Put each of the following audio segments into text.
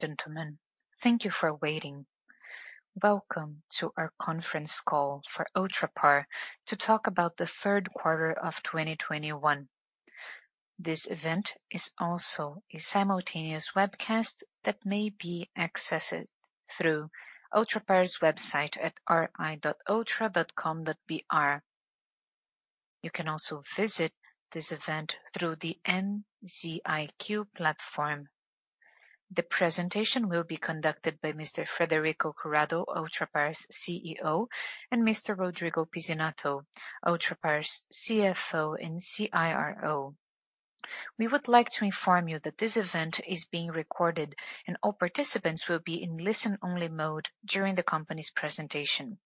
Gentlemen, thank you for waiting. Welcome to our conference call for Ultrapar to talk about the third quarter of 2021. This event is also a simultaneous webcast that may be accessed through Ultrapar's website at ri.ultra.com.br. You can also visit this event through the MZiQ platform. The presentation will be conducted by Mr. Frederico Curado, Ultrapar's CEO, and Mr. Rodrigo Pizzinatto, Ultrapar's CFO and CIRO. We would like to inform you that this event is being recorded and all participants will be in listen-only mode during the company's presentation.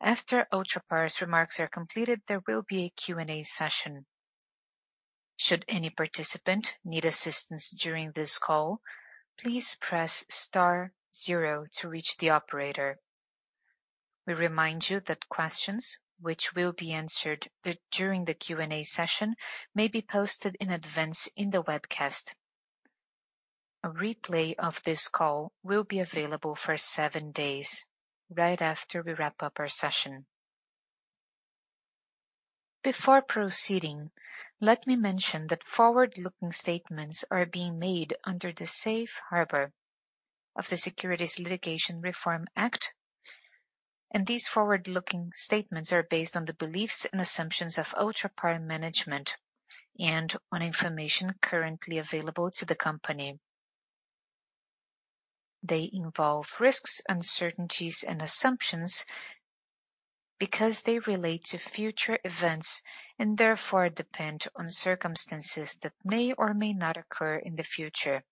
After Ultrapar's remarks are completed, there will be a Q&A session. Should any participant need assistance during this call, please press star zero to reach the operator. We remind you that questions which will be answered during the Q&A session may be posted in advance in the webcast. A replay of this call will be available for seven days right after we wrap up our session. Before proceeding, let me mention that forward-looking statements are being made under the safe harbor of the Securities Litigation Reform Act, and these forward-looking statements are based on the beliefs and assumptions of Ultrapar management and on information currently available to the company. They involve risks, uncertainties and assumptions because they relate to future events and therefore depend on circumstances that may or may not occur in the future.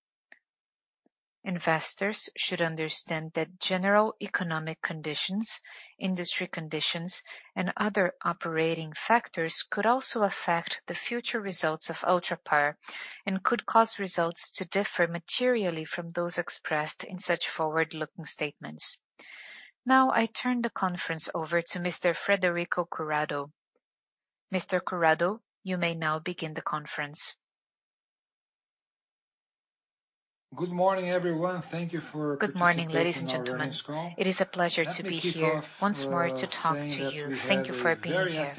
Investors should understand that general economic conditions, industry conditions and other operating factors could also affect the future results of Ultrapar and could cause results to differ materially from those expressed in such forward-looking statements. Now I turn the conference over to Mr. Frederico Curado. Mr. Curado, you may now begin the conference. Good morning, everyone. Thank you for participating. Good morning, ladies and gentlemen. It is a pleasure to be here once more to talk to you. Thank you for being here.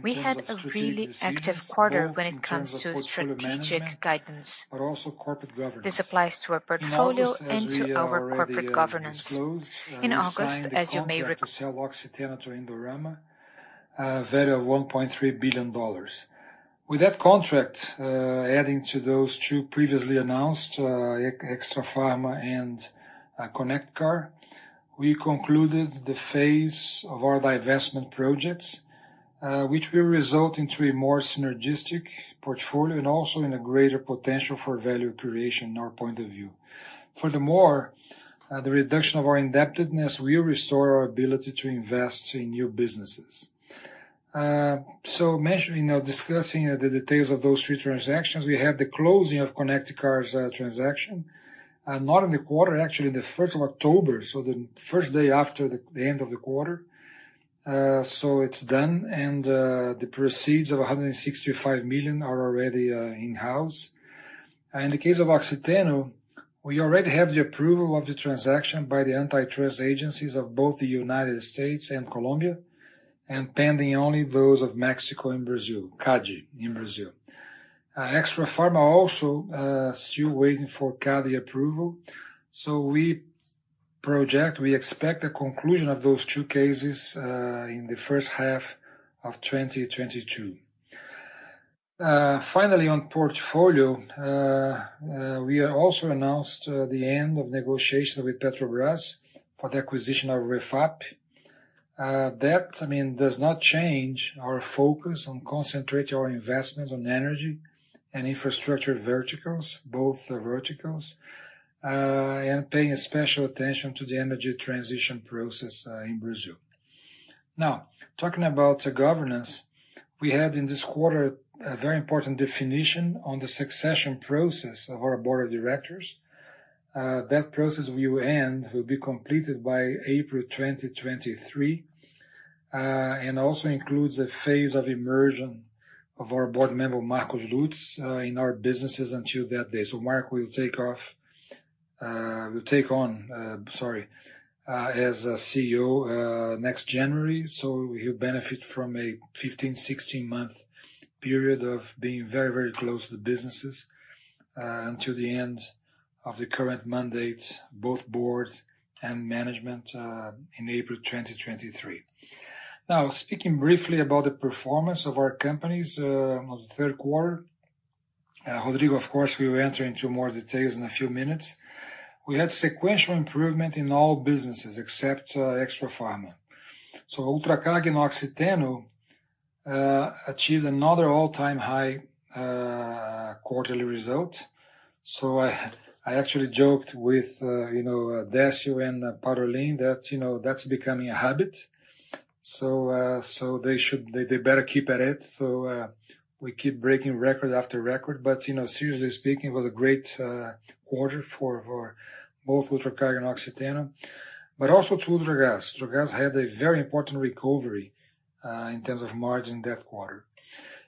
We had a very active quarter when it comes to strategic guidance. This applies to our portfolio and to our corporate governance. In August, as you may re- With that contract, adding to those two previously announced, Extrafarma and ConectCar, we concluded the phase of our divestment projects, which will result into a more synergistic portfolio and also in a greater potential for value creation in our point of view. Furthermore, the reduction of our indebtedness will restore our ability to invest in new businesses. Measuring or discussing the details of those three transactions, we have the closing of ConectCar's transaction, not in the quarter, actually the first of October, so the first day after the end of the quarter. It's done and the proceeds of 165 million are already in-house. In the case of Oxiteno, we already have the approval of the transaction by the antitrust agencies of both the United States and Colombia, and pending only those of Mexico and Brazil, CADE in Brazil. Extrafarma also still waiting for CADE approval. We expect the conclusion of those two cases in the first half of 2022. Finally, on portfolio, we also announced the end of negotiation with Petrobras for the acquisition of Refap. That, I mean, does not change our focus on concentrating our investments on energy and infrastructure verticals, both verticals, and paying special attention to the energy transition process in Brazil. Now, talking about governance, we had in this quarter a very important definition on the succession process of our board of directors. That process will be completed by April 2023, and also includes a phase of immersion of our board member, Marcos Lutz, in our businesses until that day. Marcos will take on, as CEO, next January. He will benefit from a 15-16-month period of being very close to the businesses until the end of the current mandate, both board and management, in April 2023. Now, speaking briefly about the performance of our companies on the third quarter, Rodrigo, of course, we will enter into more details in a few minutes. We had sequential improvement in all businesses except Extrafarma. Ultracargo and Oxiteno achieved another all-time high quarterly result. I actually joked with you know, Décio and Paulo Li that, you know, that's becoming a habit. They better keep at it. We keep breaking record after record. You know, seriously speaking, it was a great quarter for both Ultracargo and Oxiteno. Also to Ultragaz. Ultragaz had a very important recovery in terms of margin that quarter.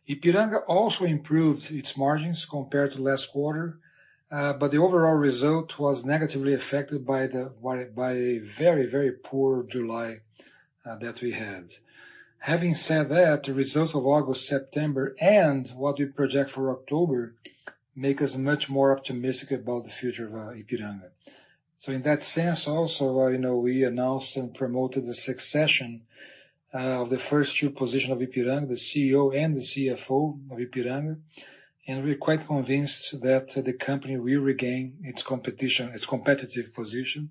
Ipiranga also improved its margins compared to last quarter, but the overall result was negatively affected by a very, very poor July that we had. Having said that, the results of August, September, and what we project for October make us much more optimistic about the future of Ipiranga. In that sense also, you know, we announced and promoted the succession of the first two positions of Ipiranga, the CEO and the CFO of Ipiranga. We're quite convinced that the company will regain its competitive position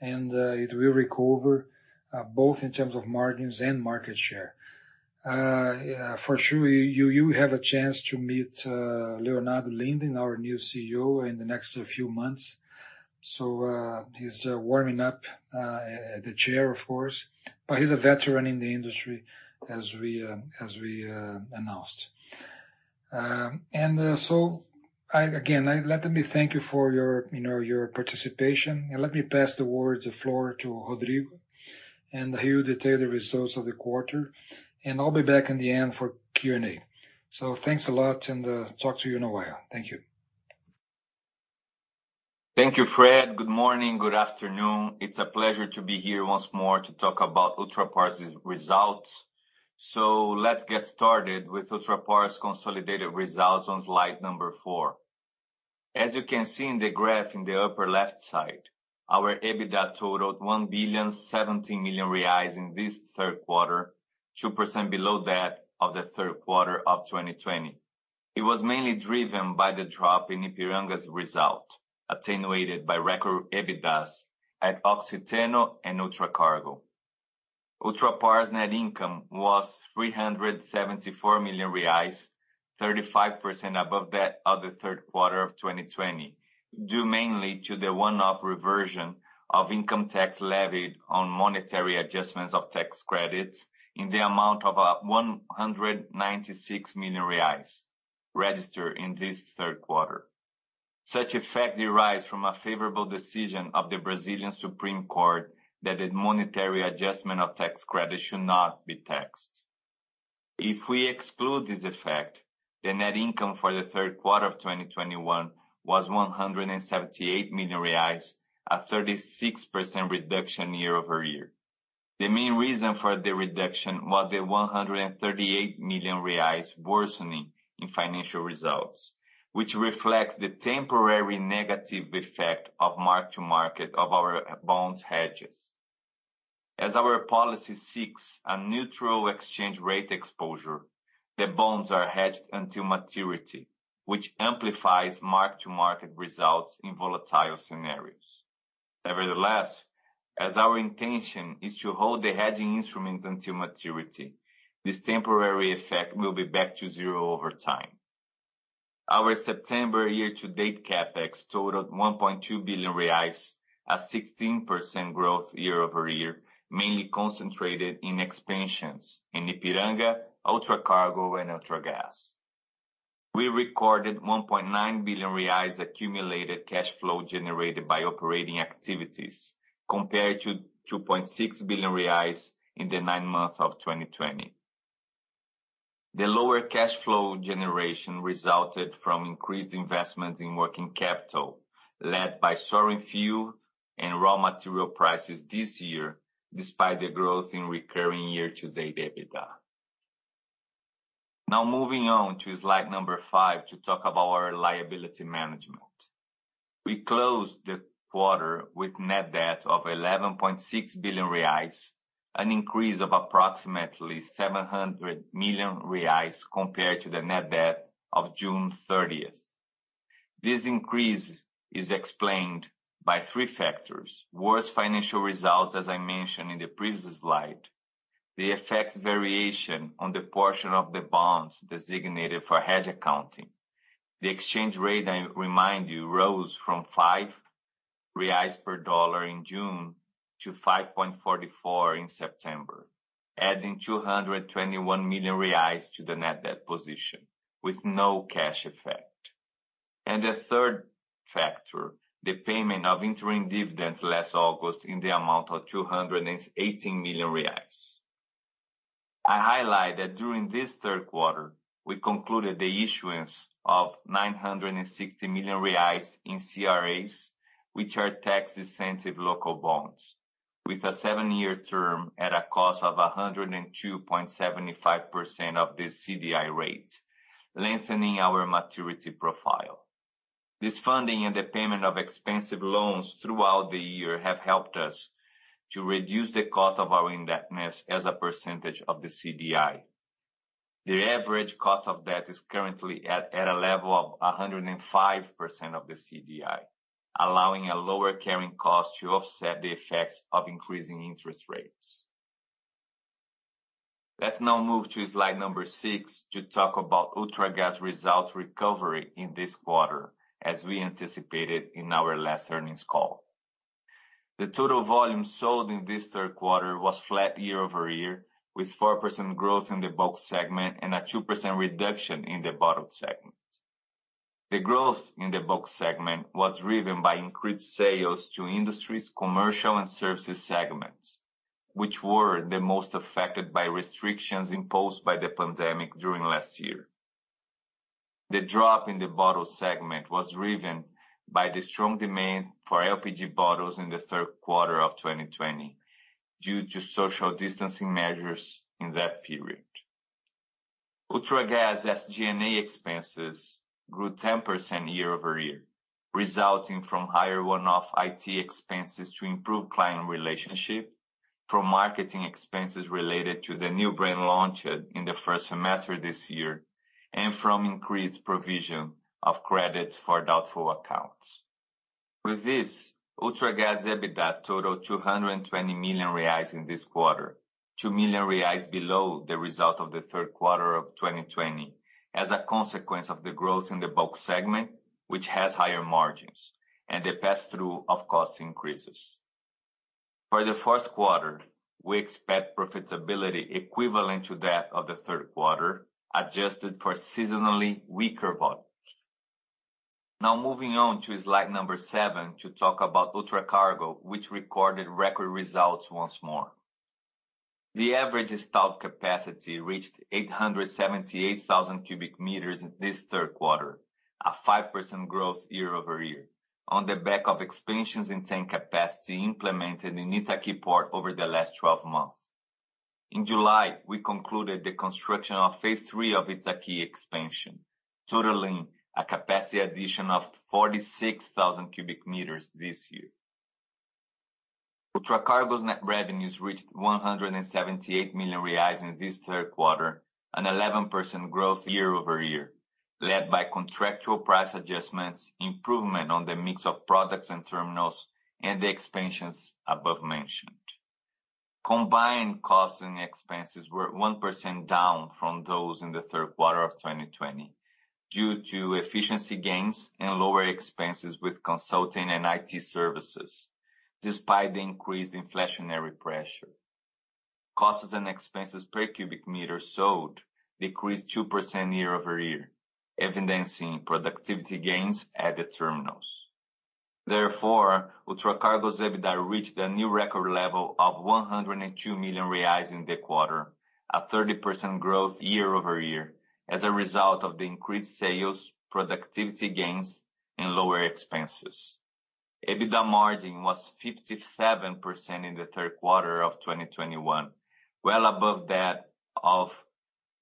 and it will recover both in terms of margins and market share. Yeah, for sure, you will have a chance to meet Leonardo Linden, our new CEO, in the next few months. He's warming up the chair, of course, but he's a veteran in the industry as we announced. Again, let me thank you for your participation, and let me pass the floor to Rodrigo, and he will detail the results of the quarter. I'll be back in the end for Q&A. Thanks a lot, and, talk to you in a while. Thank you. Thank you, Fred. Good morning, good afternoon. It's a pleasure to be here once more to talk about Ultrapar's results. Let's get started with Ultrapar's consolidated results on slide number four. As you can see in the graph in the upper left side, our EBITDA totaled 1,070 million reais in this third quarter, 2% below that of the third quarter of 2020. It was mainly driven by the drop in Ipiranga's result, attenuated by record EBITDAs at Oxiteno and Ultracargo. Ultrapar's net income was 374 million reais, 35% above that of the third quarter of 2020, due mainly to the one-off reversion of income tax levied on monetary adjustments of tax credits in the amount of 196 million reais registered in this third quarter. Such effect derives from a favorable decision of the Brazilian Supreme Court that a monetary adjustment of tax credit should not be taxed. If we exclude this effect, the net income for the third quarter of 2021 was 178 million reais, a 36% reduction year-over-year. The main reason for the reduction was the 138 million reais worsening in financial results, which reflects the temporary negative effect of mark-to-market of our bonds hedges. As our policy seeks a neutral exchange rate exposure, the bonds are hedged until maturity, which amplifies mark-to-market results in volatile scenarios. Nevertheless, as our intention is to hold the hedging instruments until maturity, this temporary effect will be back to zero over time. Our September year-to-date CapEx totaled 1.2 billion reais, a 16% growth year-over-year, mainly concentrated in expansions in Ipiranga, Ultracargo and Ultragaz. We recorded 1.9 billion reais accumulated cash flow generated by operating activities, compared to 2.6 billion reais in the nine months of 2020. The lower cash flow generation resulted from increased investments in working capital, led by soaring fuel and raw material prices this year, despite the growth in recurring year-to-date EBITDA. Now moving on to slide number five to talk about our liability management. We closed the quarter with net debt of 11.6 billion reais, an increase of approximately 700 million reais compared to the net debt of June 30. This increase is explained by three factors. Worse financial results, as I mentioned in the previous slide. The effect variation on the portion of the bonds designated for hedge accounting. The exchange rate, I remind you, rose from 5 reais per dollar in June to 5.44 in September, adding 221 million reais to the net debt position with no cash effect. The third factor, the payment of interim dividends last August in the amount of 218 million reais. I highlight that during this third quarter, we concluded the issuance of 960 million reais in CRAs, which are tax-incentive local bonds, with a seven-year term at a cost of 102.75% of the CDI rate, lengthening our maturity profile. This funding and the payment of expensive loans throughout the year have helped us to reduce the cost of our indebtedness as a percentage of the CDI. The average cost of debt is currently at a level of 105% of the CDI, allowing a lower carrying cost to offset the effects of increasing interest rates. Let's now move to slide six to talk about Ultragaz results recovery in this quarter, as we anticipated in our last earnings call. The total volume sold in this third quarter was flat year-over-year, with 4% growth in the bulk segment and a 2% reduction in the bottled segment. The growth in the bulk segment was driven by increased sales to industries, commercial, and services segments, which were the most affected by restrictions imposed by the pandemic during last year. The drop in the bottled segment was driven by the strong demand for LPG bottles in the third quarter of 2020 due to social distancing measures in that period. Ultragaz SG&A expenses grew 10% year-over-year, resulting from higher one-off IT expenses to improve client relationship from marketing expenses related to the new brand launch in the first semester this year, and from increased provision of credits for doubtful accounts. With this, Ultragaz EBITDA totaled 220 million reais in this quarter, 2 million reais below the result of the third quarter of 2020 as a consequence of the growth in the bulk segment, which has higher margins and the pass through of cost increases. For the fourth quarter, we expect profitability equivalent to that of the third quarter, adjusted for seasonally weaker volumes. Now moving on to slide number seven to talk about Ultracargo, which recorded record results once more. The average static capacity reached 878,000 cubic meters this third quarter, a 5% growth year-over-year on the back of expansions in tank capacity implemented in Itaqui Port over the last 12 months. In July, we concluded the construction of phase three of Itaqui expansion, totaling a capacity addition of 46,000 cubic meters this year. Ultracargo's net revenues reached 178 million reais in this third quarter, an 11% growth year-over-year, led by contractual price adjustments, improvement on the mix of products and terminals, and the above-mentioned expansions. Combined costs and expenses were 1% down from those in the third quarter of 2020 due to efficiency gains and lower expenses with consulting and IT services despite the increased inflationary pressure. Costs and expenses per cubic meter sold decreased 2% year-over-year, evidencing productivity gains at the terminals. Therefore, Ultracargo's EBITDA reached a new record level of 102 million reais in the quarter, a 30% growth year-over-year as a result of the increased sales, productivity gains and lower expenses. EBITDA margin was 57% in the third quarter of 2021, well above that of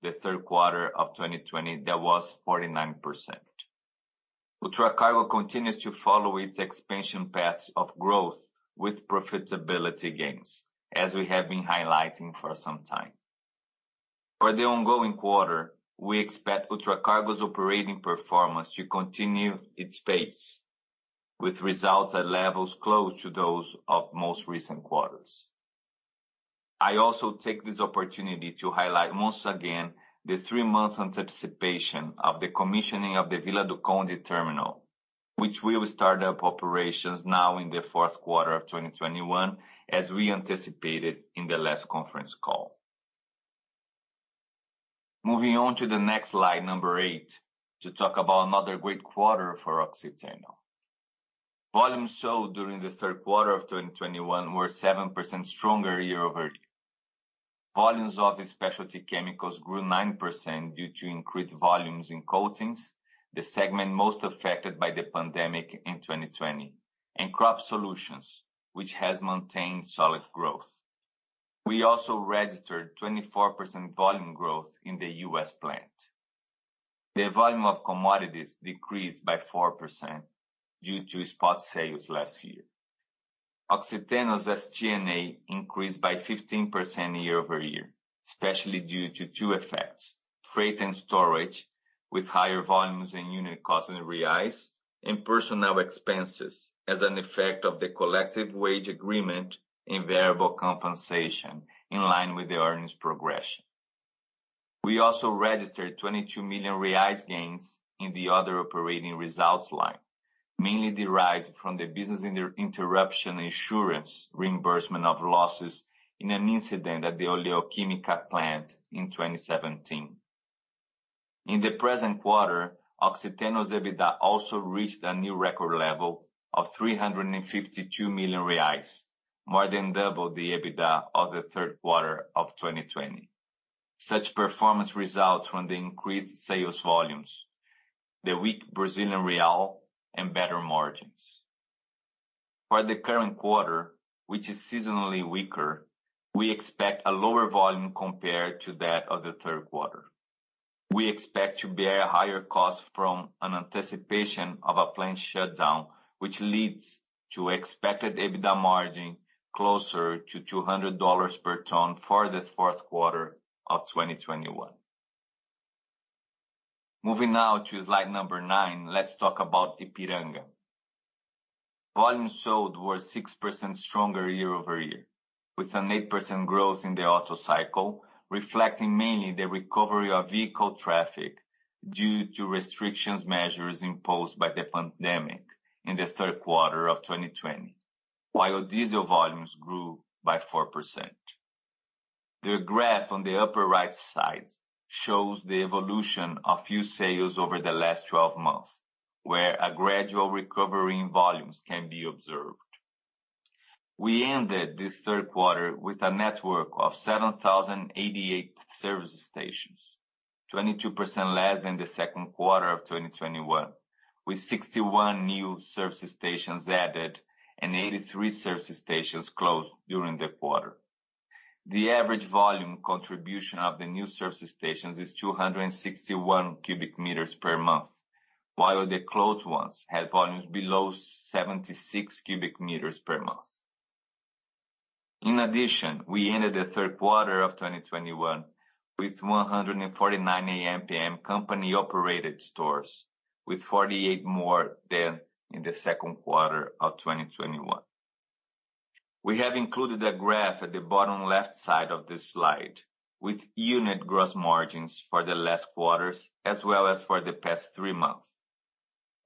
the third quarter of 2020, that was 49%. Ultracargo continues to follow its expansion path of growth with profitability gains, as we have been highlighting for some time. For the ongoing quarter, we expect Ultracargo's operating performance to continue its pace with results at levels close to those of most recent quarters. I also take this opportunity to highlight once again the three months anticipation of the commissioning of the Vila do Conde terminal, which will start up operations now in the fourth quarter of 2021, as we anticipated in the last conference call. Moving on to the next slide, number eight, to talk about another great quarter for Oxiteno. Volumes sold during the third quarter of 2021 were 7% stronger year-over-year. Volumes of specialty chemicals grew 9% due to increased volumes in coatings, the segment most affected by the pandemic in 2020, and crop solutions, which has maintained solid growth. We also registered 24% volume growth in the U.S. plant. The volume of commodities decreased by 4% due to spot sales last year. Oxiteno's SG&A increased by 15% year-over-year, especially due to two effects, freight and storage with higher volumes and unit costs in reais, and personnel expenses as an effect of the collective wage agreement and variable compensation in line with the earnings progression. We also registered 22 million reais gains in the other operating results line, mainly derived from the business interruption insurance reimbursement of losses in an incident at the Oleoquímica plant in 2017. In the present quarter, Oxiteno's EBITDA also reached a new record level of 352 million reais, more than double the EBITDA of the third quarter of 2020. Such performance results from the increased sales volumes, the weak Brazilian real, and better margins. For the current quarter, which is seasonally weaker, we expect a lower volume compared to that of the third quarter. We expect to bear higher costs from an anticipation of a plant shutdown, which leads to expected EBITDA margin closer to $200 per ton for the fourth quarter of 2021. Moving now to slide number nine, let's talk about Ipiranga. Volumes sold were 6% stronger year-over-year, with an 8% growth in the auto cycle, reflecting mainly the recovery of vehicle traffic due to restrictions measures imposed by the pandemic in the third quarter of 2020, while diesel volumes grew by 4%. The graph on the upper right side shows the evolution of fuel sales over the last 12 months, where a gradual recovery in volumes can be observed. We ended this third quarter with a network of 7,008 service stations, 22% less than the second quarter of 2021, with 61 new service stations added and 83 service stations closed during the quarter. The average volume contribution of the new service stations is 261 cubic meters per month, while the closed ones had volumes below 76 cubic meters per month. In addition, we ended the third quarter of 2021 with 149 AmPm company-operated stores, with 48 more than in the second quarter of 2021. We have included a graph at the bottom left side of this slide with unit gross margins for the last quarters, as well as for the past three months.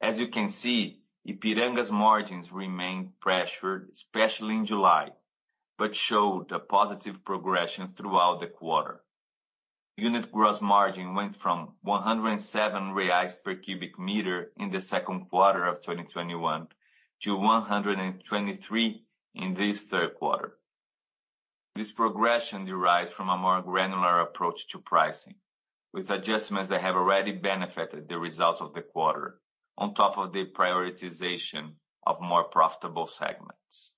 As you can see, Ipiranga's margins remain pressured, especially in July, but showed a positive progression throughout the quarter. Unit gross margin went from 107 reais per cubic meter in the second quarter of 2021 to 123 in this third quarter. This progression derives from a more granular approach to pricing, with adjustments that have already benefited the results of the quarter on top of the prioritization of more profitable segments.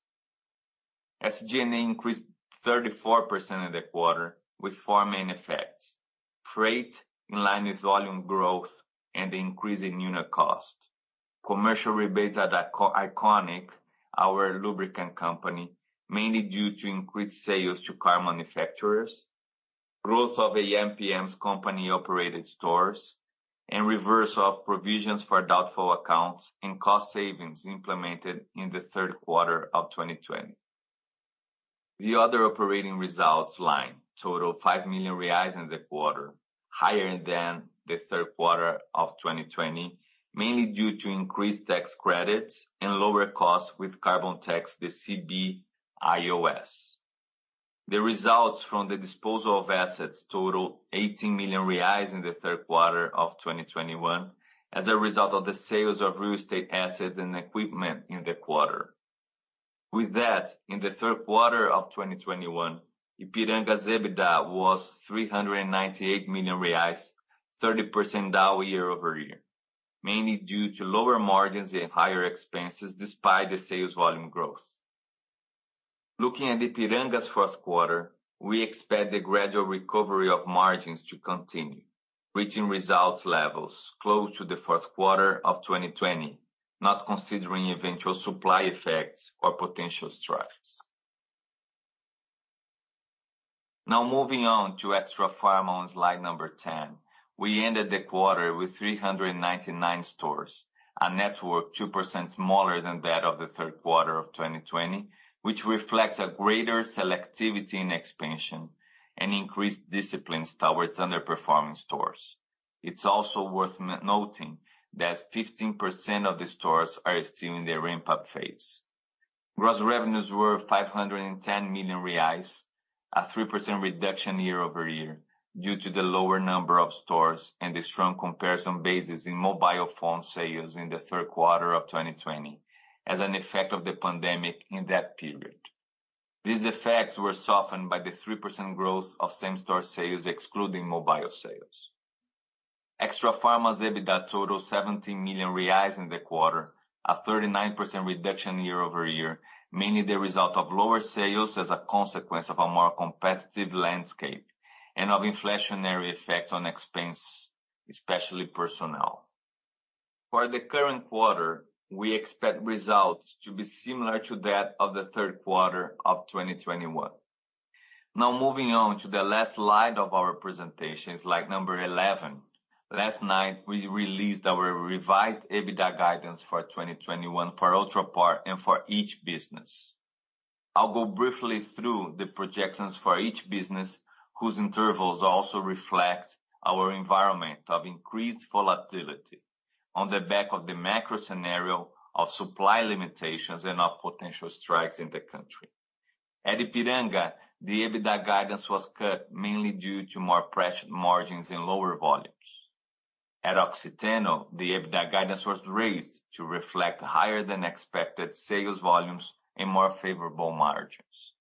SG&A increased 34% in the quarter with four main effects. Freight in line with volume growth and the increase in unit cost. Commercial rebates at Iconic, our lubricant company, mainly due to increased sales to car manufacturers, growth of AmPm's company-operated stores, and reversal of provisions for doubtful accounts and cost savings implemented in the third quarter of 2020. The other operating results line total 5 million reais in the quarter, higher than the third quarter of 2020, mainly due to increased tax credits and lower costs with carbon tax, the CBIOS. The results from the disposal of assets total 18 million reais in the third quarter of 2021 as a result of the sales of real estate assets and equipment in the quarter. With that, in the third quarter of 2021, Ipiranga's EBITDA was BRL 398 million, 30% down year-over-year, mainly due to lower margins and higher expenses despite the sales volume growth. Looking at Ipiranga's fourth quarter, we expect the gradual recovery of margins to continue, reaching results levels close to the fourth quarter of 2020, not considering eventual supply effects or potential strikes. Now moving on to Extrafarma on slide 10. We ended the quarter with 399 stores, a network 2% smaller than that of the third quarter of 2020, which reflects a greater selectivity in expansion and increased discipline towards underperforming stores. It's also worth noting that 15% of the stores are still in their ramp-up phase. Gross revenues were 510 million reais, a 3% reduction year-over-year due to the lower number of stores and the strong comparison basis in mobile phone sales in the third quarter of 2020 as an effect of the pandemic in that period. These effects were softened by the 3% growth of same-store sales, excluding mobile sales. Extrafarma's EBITDA totaled 17 million reais in the quarter, a 39% reduction year-over-year, mainly the result of lower sales as a consequence of a more competitive landscape and of inflationary effects on expense, especially personnel. For the current quarter, we expect results to be similar to that of the third quarter of 2021. Now moving on to the last slide of our presentation, slide number 11. Last night, we released our revised EBITDA guidance for 2021 for Ultrapar and for each business. I'll go briefly through the projections for each business, whose intervals also reflect our environment of increased volatility on the back of the macro scenario of supply limitations and of potential strikes in the country. At Ipiranga, the EBITDA guidance was cut mainly due to more pressured margins and lower volumes. At Oxiteno, the EBITDA guidance was raised to reflect higher than expected sales volumes and more favorable margins.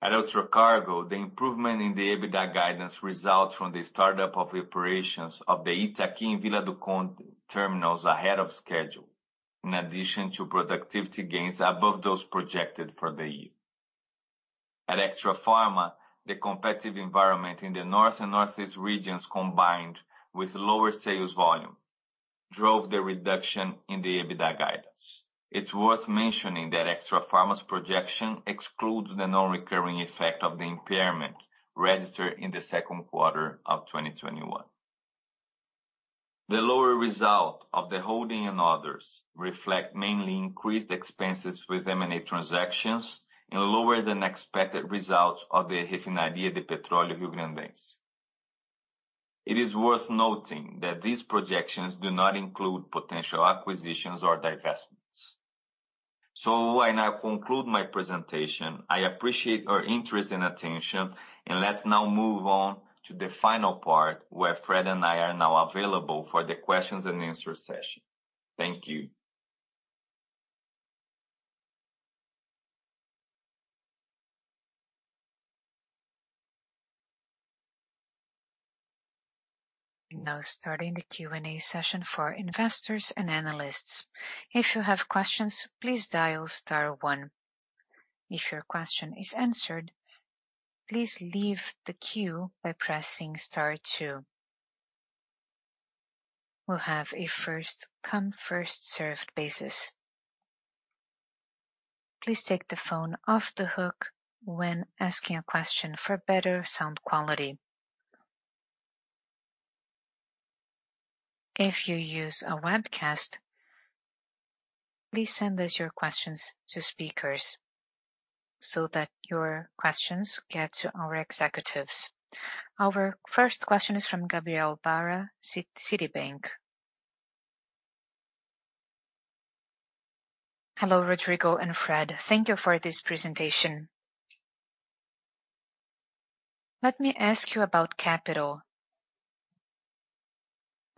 At Ultracargo, the improvement in the EBITDA guidance results from the startup of operations of the Itaqui/Vila do Conde terminals ahead of schedule, in addition to productivity gains above those projected for the year. At Extrafarma, the competitive environment in the North and Northeast regions, combined with lower sales volume, drove the reduction in the EBITDA guidance. It's worth mentioning that Extrafarma's projection excludes the non-recurring effect of the impairment registered in the second quarter of 2021. The lower result of the holding and others reflect mainly increased expenses with M&A transactions and lower than expected results of the Refinaria de Petróleo Riograndense. It is worth noting that these projections do not include potential acquisitions or divestments. I now conclude my presentation. I appreciate your interest and attention, and let's now move on to the final part, where Fred and I are now available for the questions-and-answer session. Thank you. Our first question is from Gabriel Barra, Citi. Hello, Rodrigo and Fred. Thank you for this presentation. Let me ask you about capital.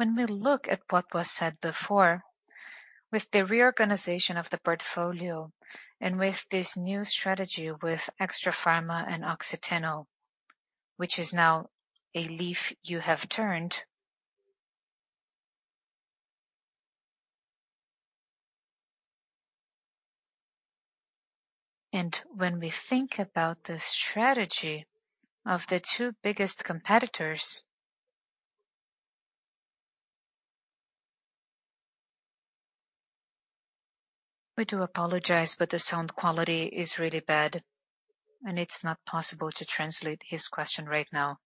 When we look at what was said before, with the reorganization of the portfolio and with this new strategy with Extrafarma and Oxiteno, which is now a page you have turned. When we think about the strategy of the two biggest competitors. We do apologize, but the sound quality is really bad and it's not possible to translate his question right now.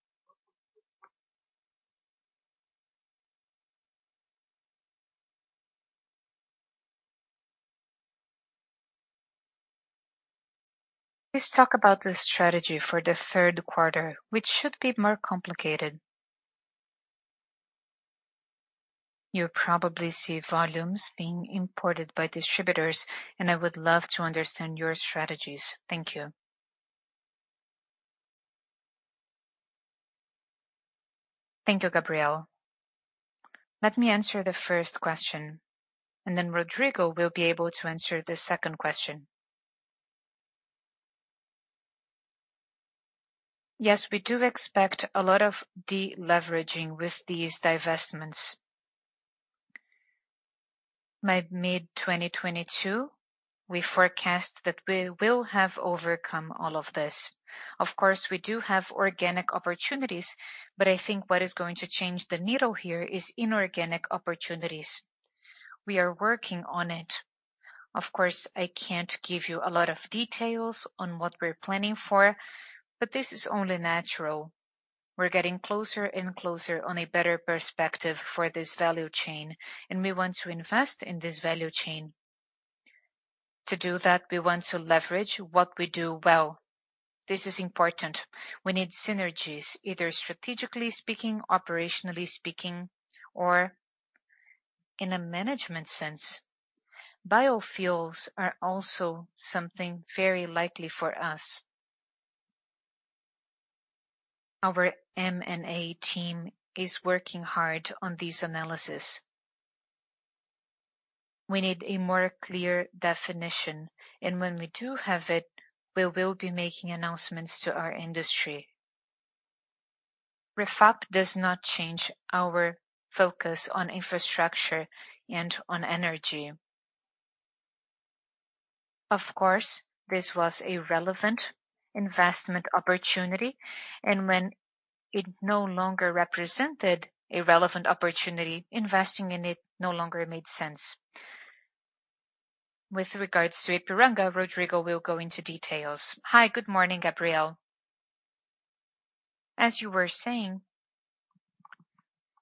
Let's talk about the strategy for the third quarter, which should be more complicated. You probably see volumes being imported by distributors, and I would love to understand your strategies. Thank you. Thank you, Gabriel. Let me answer the first question, and then Rodrigo will be able to answer the second question. Yes, we do expect a lot of deleveraging with these divestments. By mid-2022, we forecast that we will have overcome all of this. Of course, we do have organic opportunities, but I think what is going to move the needle here is inorganic opportunities. We are working on it. Of course, I can't give you a lot of details on what we're planning for, but this is only natural. We're getting closer and closer on a better perspective for this value chain, and we want to invest in this value chain. To do that, we want to leverage what we do well. This is important. We need synergies, either strategically speaking, operationally speaking, or in a management sense. Biofuels are also something very likely for us. Our M&A team is working hard on this analysis. We need a more clear definition, and when we do have it, we will be making announcements to our industry. Refap does not change our focus on infrastructure and on energy. Of course, this was a relevant investment opportunity, and when it no longer represented a relevant opportunity, investing in it no longer made sense. With regards to Ipiranga, Rodrigo will go into details. Hi. Good morning, Gabriel. As you were saying,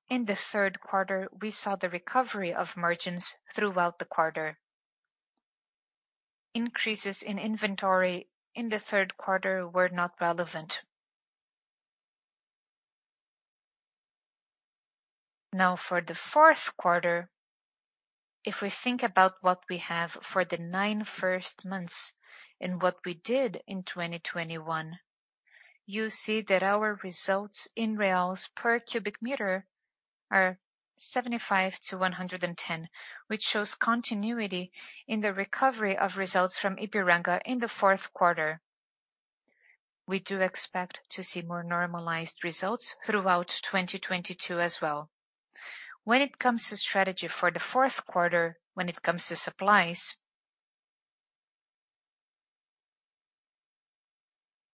in the third quarter, we saw the recovery of margins throughout the quarter. Increases in inventory in the third quarter were not relevant. Now for the fourth quarter, if we think about what we have for the first nine months and what we did in 2021, you see that our results in reals per cubic meter are 75-110, which shows continuity in the recovery of results from Ipiranga in the fourth quarter. We do expect to see more normalized results throughout 2022 as well. When it comes to strategy for the fourth quarter, when it comes to supplies,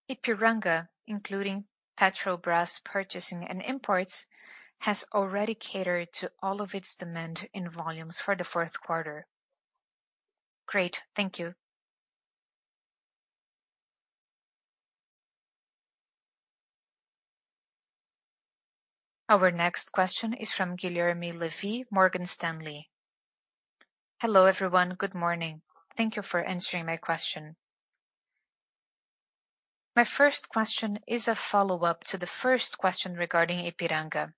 Ipiranga, including Petrobras purchasing and imports, has already catered to all of its demand in volumes for the fourth quarter. Great. Thank you. Our next question is from Guilherme Levy, Morgan Stanley. Hello, everyone. Good morning. Thank you for answering my question. My first question is a follow-up to the first question regarding Ipiranga.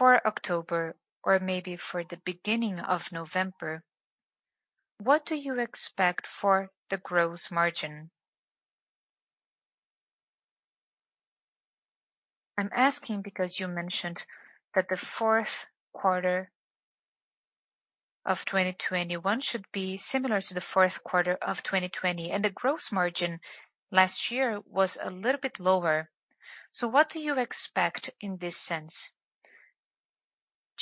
For October, or maybe for the beginning of November, what do you expect for the gross margin? I'm asking because you mentioned that the fourth quarter of 2021 should be similar to the fourth quarter of 2020, and the gross margin last year was a little bit lower. What do you expect in this sense?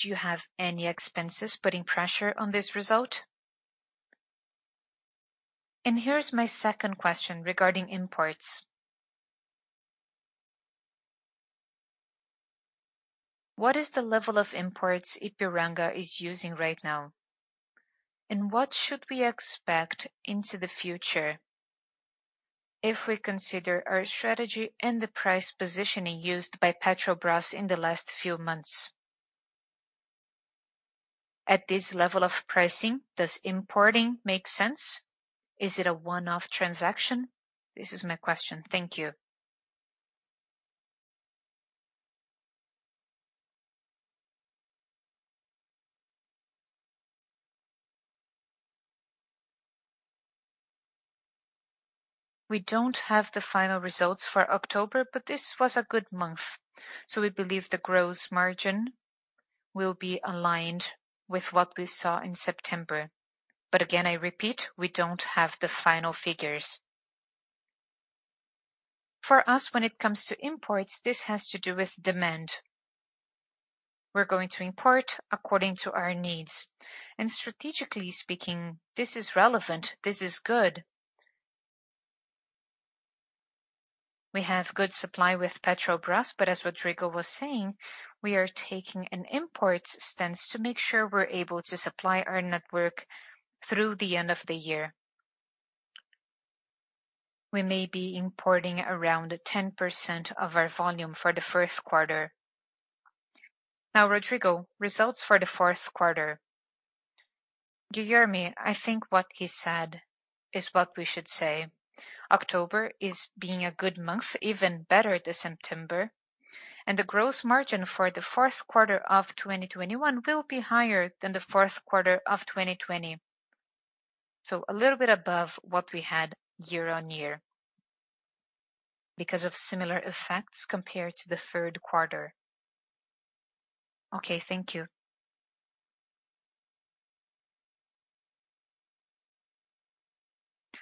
Do you have any expenses putting pressure on this result? And here's my second question regarding imports. What is the level of imports Ipiranga is using right now? And what should we expect into the future if we consider our strategy and the price positioning used by Petrobras in the last few months? At this level of pricing, does importing make sense? Is it a one-off transaction? This is my question. Thank you. We don't have the final results for October, but this was a good month, so we believe the gross margin will be aligned with what we saw in September. Again, I repeat, we don't have the final figures. For us, when it comes to imports, this has to do with demand. We're going to import according to our needs. Strategically speaking, this is relevant, this is good. We have good supply with Petrobras, but as Rodrigo was saying, we are taking an imports stance to make sure we're able to supply our network through the end of the year. We may be importing around 10% of our volume for the first quarter. Now, Rodrigo, results for the fourth quarter. Guilherme, I think what he said is what we should say. October is being a good month, even better than September, and the gross margin for the fourth quarter of 2021 will be higher than the fourth quarter of 2020. A little bit above what we had year-on-year because of similar effects compared to the third quarter. Okay, thank you.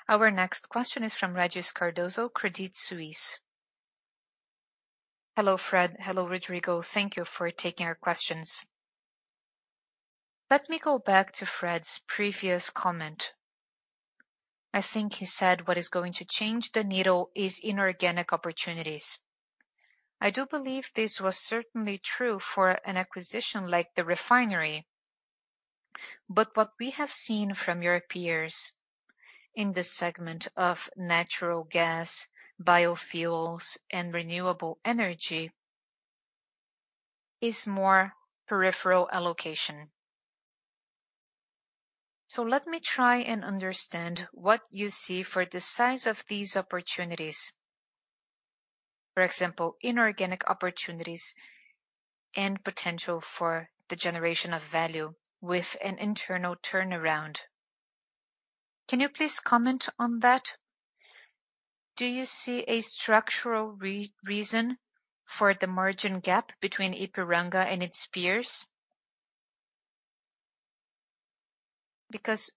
Our next question is from Regis Cardoso, Credit Suisse. Hello, Fred. Hello, Rodrigo. Thank you for taking our questions. Let me go back to Fred's previous comment. I think he said what is going to change the needle is inorganic opportunities. I do believe this was certainly true for an acquisition like the refinery. But what we have seen from your peers in the segment of natural gas, biofuels, and renewable energy is more peripheral allocation. Let me try and understand what you see for the size of these opportunities. For example, inorganic opportunities and potential for the generation of value with an internal turnaround. Can you please comment on that? Do you see a structural reason for the margin gap between Ipiranga and its peers? Because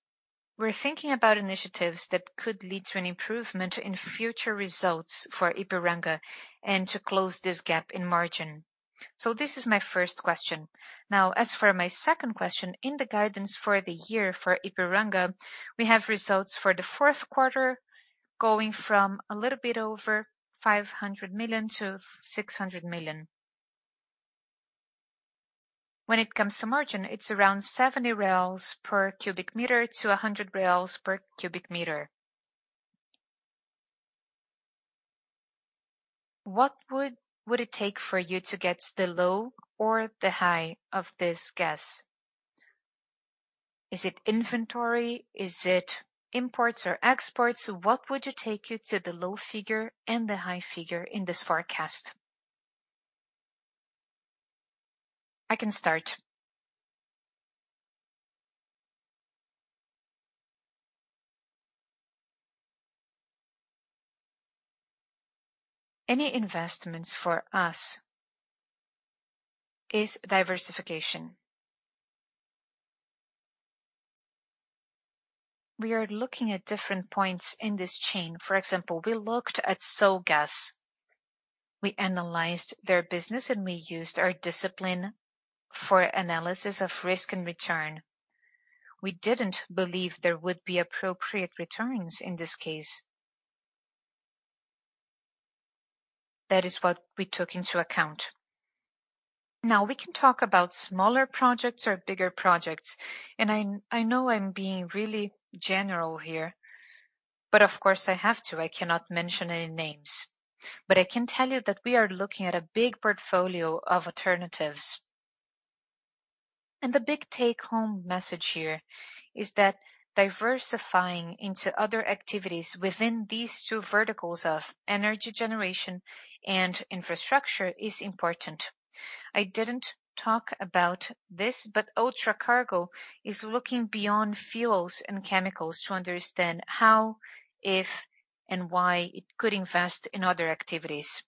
we're thinking about initiatives that could lead to an improvement in future results for Ipiranga and to close this gap in margin. This is my first question. Now, as for my second question, in the guidance for the year for Ipiranga, we have results for the fourth quarter going from a little bit over 500 million to 600 million. When it comes to margin, it's around 70 per cubic meter to 100 per cubic meter. What would it take for you to get the low or the high of this guess? Is it inventory? Is it imports or exports? What would it take you to the low figure and the high figure in this forecast? I can start. Any investments for us is diversification. We are looking at different points in this chain. For example, we looked at Sulgás. We analyzed their business, and we used our discipline for analysis of risk and return. We didn't believe there would be appropriate returns in this case. That is what we took into account. Now, we can talk about smaller projects or bigger projects, and I know I'm being really general here, but of course I have to. I cannot mention any names. But I can tell you that we are looking at a big portfolio of alternatives. The big take-home message here is that diversifying into other activities within these two verticals of energy generation and infrastructure is important. I didn't talk about this, but Ultracargo is looking beyond fuels and chemicals to understand how, if, and why it could invest in other activities.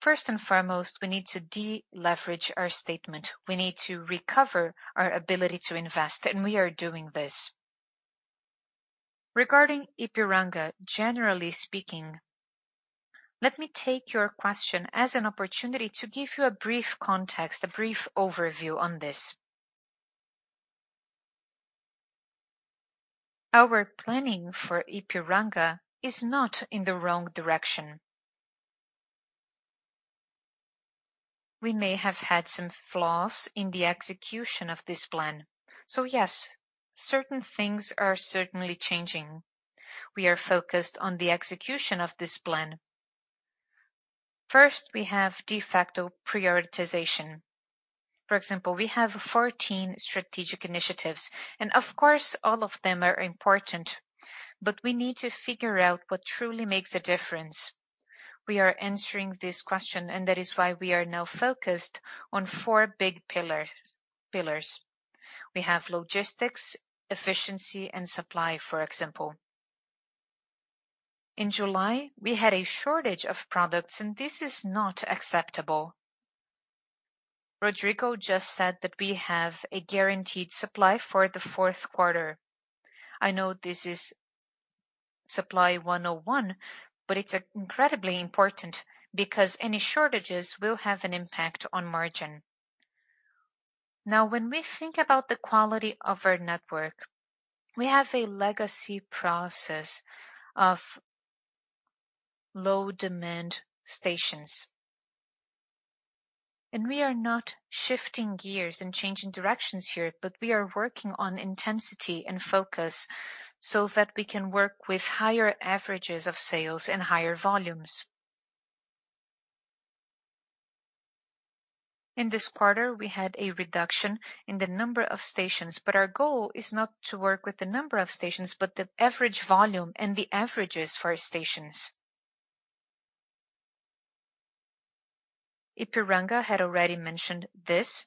First and foremost, we need to deleverage our balance sheet. We need to recover our ability to invest, and we are doing this. Regarding Ipiranga, generally speaking, let me take your question as an opportunity to give you a brief context, a brief overview on this. Our planning for Ipiranga is not in the wrong direction. We may have had some flaws in the execution of this plan. Yes, certain things are certainly changing. We are focused on the execution of this plan. First, we have de facto prioritization. For example, we have 14 strategic initiatives, and of course, all of them are important, but we need to figure out what truly makes a difference. We are answering this question, and that is why we are now focused on four big pillar, pillars. We have logistics, efficiency, and supply, for example. In July, we had a shortage of products, and this is not acceptable. Rodrigo just said that we have a guaranteed supply for the fourth quarter. I know this is supply 101, but it's incredibly important because any shortages will have an impact on margin. Now, when we think about the quality of our network, we have a legacy process of low demand stations. We are not shifting gears and changing directions here, but we are working on intensity and focus so that we can work with higher averages of sales and higher volumes. In this quarter, we had a reduction in the number of stations, but our goal is not to work with the number of stations, but the average volume and the averages for stations. Ipiranga had already mentioned this,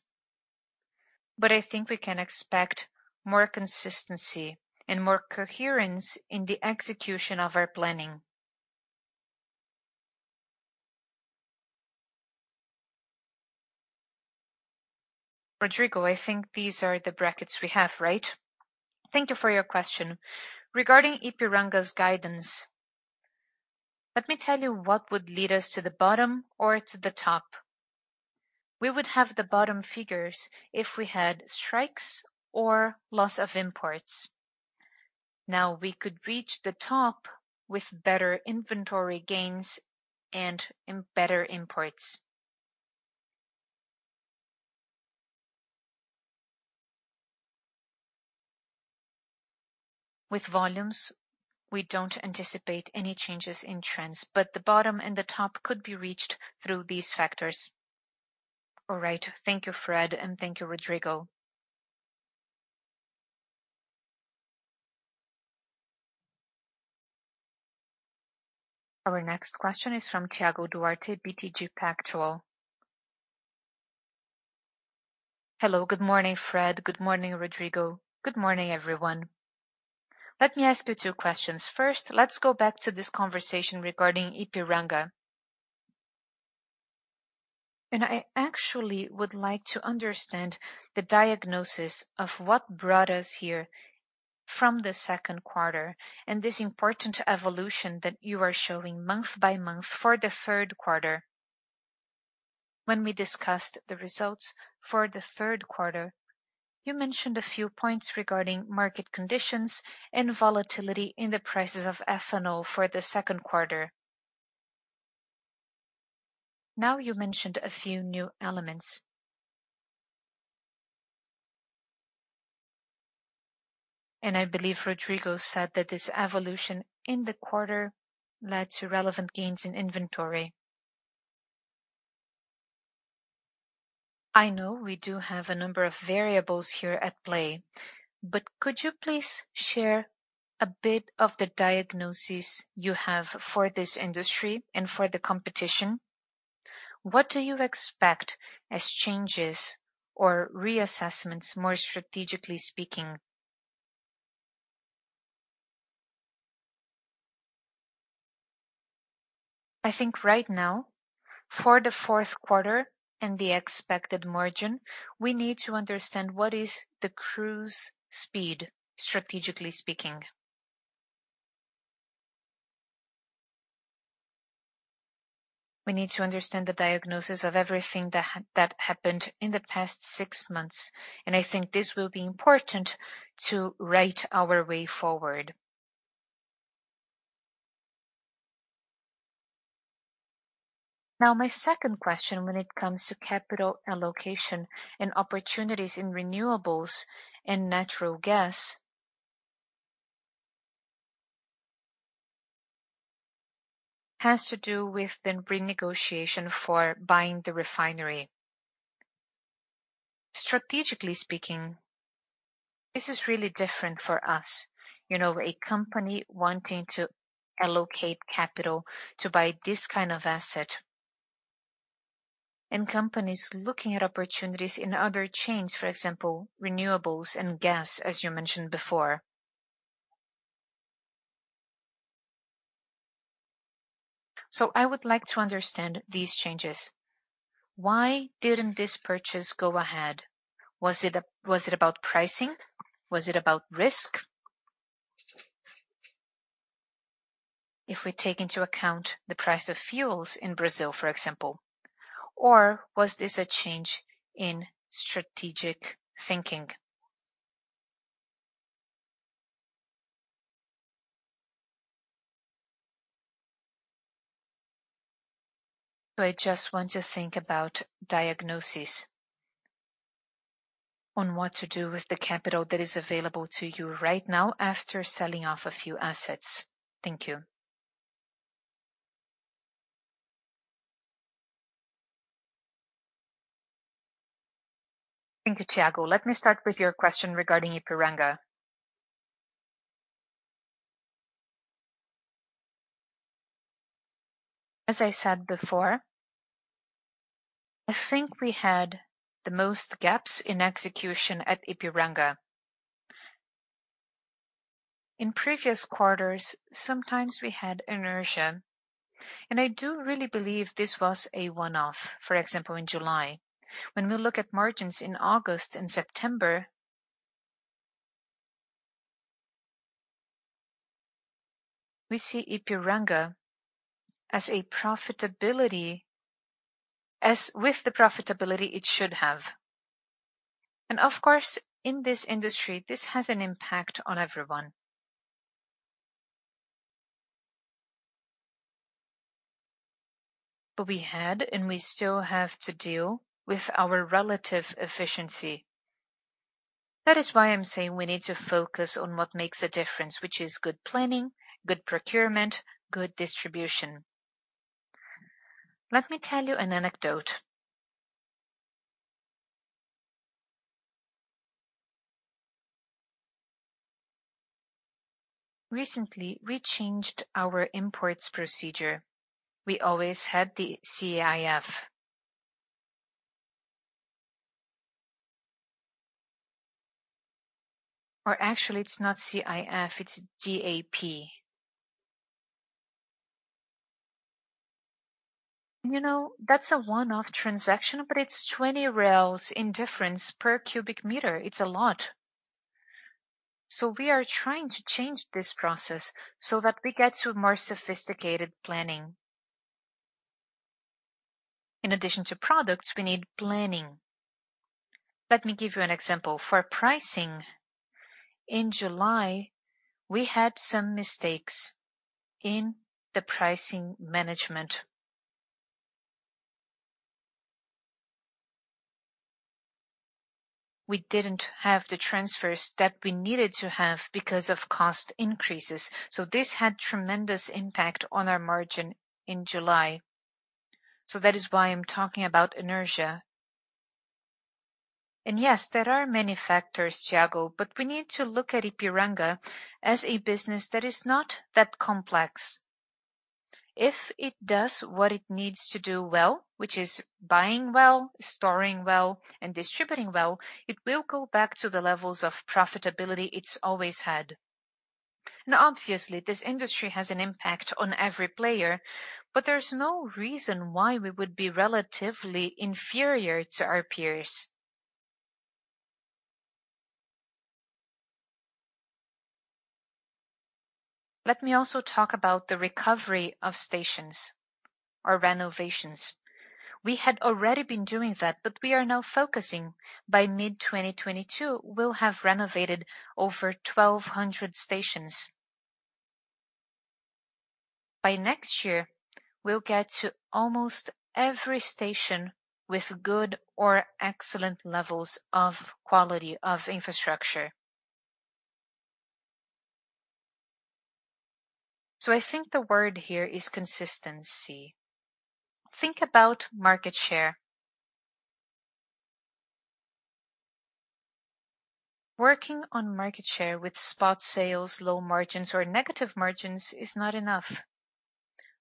but I think we can expect more consistency and more coherence in the execution of our planning. Rodrigo, I think these are the brackets we have, right? Thank you for your question. Regarding Ipiranga's guidance, let me tell you what would lead us to the bottom or to the top. We would have the bottom figures if we had strikes or loss of imports. Now, we could reach the top with better inventory gains and better imports. With volumes, we don't anticipate any changes in trends, but the bottom and the top could be reached through these factors. All right. Thank you, Fred, and thank you, Rodrigo. Our next question is from Thiago Duarte, BTG Pactual. Hello, good morning, Fred. Good morning, Rodrigo. Good morning, everyone. Let me ask you two questions. First, let's go back to this conversation regarding Ipiranga. I actually would like to understand the diagnosis of what brought us here from the second quarter and this important evolution that you are showing month by month for the third quarter. When we discussed the results for the third quarter, you mentioned a few points regarding market conditions and volatility in the prices of ethanol for the second quarter. Now you mentioned a few new elements. I believe Rodrigo said that this evolution in the quarter led to relevant gains in inventory. I know we do have a number of variables here at play, but could you please share a bit of the diagnosis you have for this industry and for the competition? What do you expect as changes or reassessments, more strategically speaking? I think right now for the fourth quarter and the expected margin, we need to understand what is the cruise speed, strategically speaking. We need to understand the diagnosis of everything that happened in the past six months, and I think this will be important to write our way forward. Now, my second question when it comes to capital allocation and opportunities in renewables and natural gas has to do with the renegotiation for buying the refinery. Strategically speaking, this is really different for us. You know, a company wanting to allocate capital to buy this kind of asset and companies looking at opportunities in other chains, for example, renewables and gas, as you mentioned before. I would like to understand these changes. Why didn't this purchase go ahead? Was it about pricing? Was it about risk? If we take into account the price of fuels in Brazil, for example, or was this a change in strategic thinking? I just want to think about diagnosis on what to do with the capital that is available to you right now after selling off a few assets. Thank you. Thank you, Thiago. Let me start with your question regarding Ipiranga. As I said before, I think we had the most gaps in execution at Ipiranga. In previous quarters, sometimes we had inertia, and I do really believe this was a one-off. For example, in July, when we look at margins in August and September, we see Ipiranga as with the profitability it should have. Of course, in this industry, this has an impact on everyone. We had and we still have to deal with our relative efficiency. That is why I'm saying we need to focus on what makes a difference, which is good planning, good procurement, good distribution. Let me tell you an anecdote. Recently, we changed our imports procedure. We always had the CIF. Or actually it's not CIF, it's DAP. And you know, that's a one-off transaction, but it's 20 BRL in difference per cubic meter. It's a lot. We are trying to change this process so that we get to a more sophisticated planning. In addition to products, we need planning. Let me give you an example. For pricing in July, we had some mistakes in the pricing management. We didn't have the transfers that we needed to have because of cost increases. This had tremendous impact on our margin in July. That is why I'm talking about inertia. Yes, there are many factors, Thiago, but we need to look at Ipiranga as a business that is not that complex. If it does what it needs to do well, which is buying well, storing well, and distributing well, it will go back to the levels of profitability it's always had. Now, obviously, this industry has an impact on every player, but there's no reason why we would be relatively inferior to our peers. Let me also talk about the recovery of stations or renovations. We had already been doing that, but we are now focusing. By mid-2022, we'll have renovated over 1,200 stations. By next year, we'll get to almost every station with good or excellent levels of quality of infrastructure. I think the word here is consistency. Think about market share. Working on market share with spot sales, low margins or negative margins is not enough.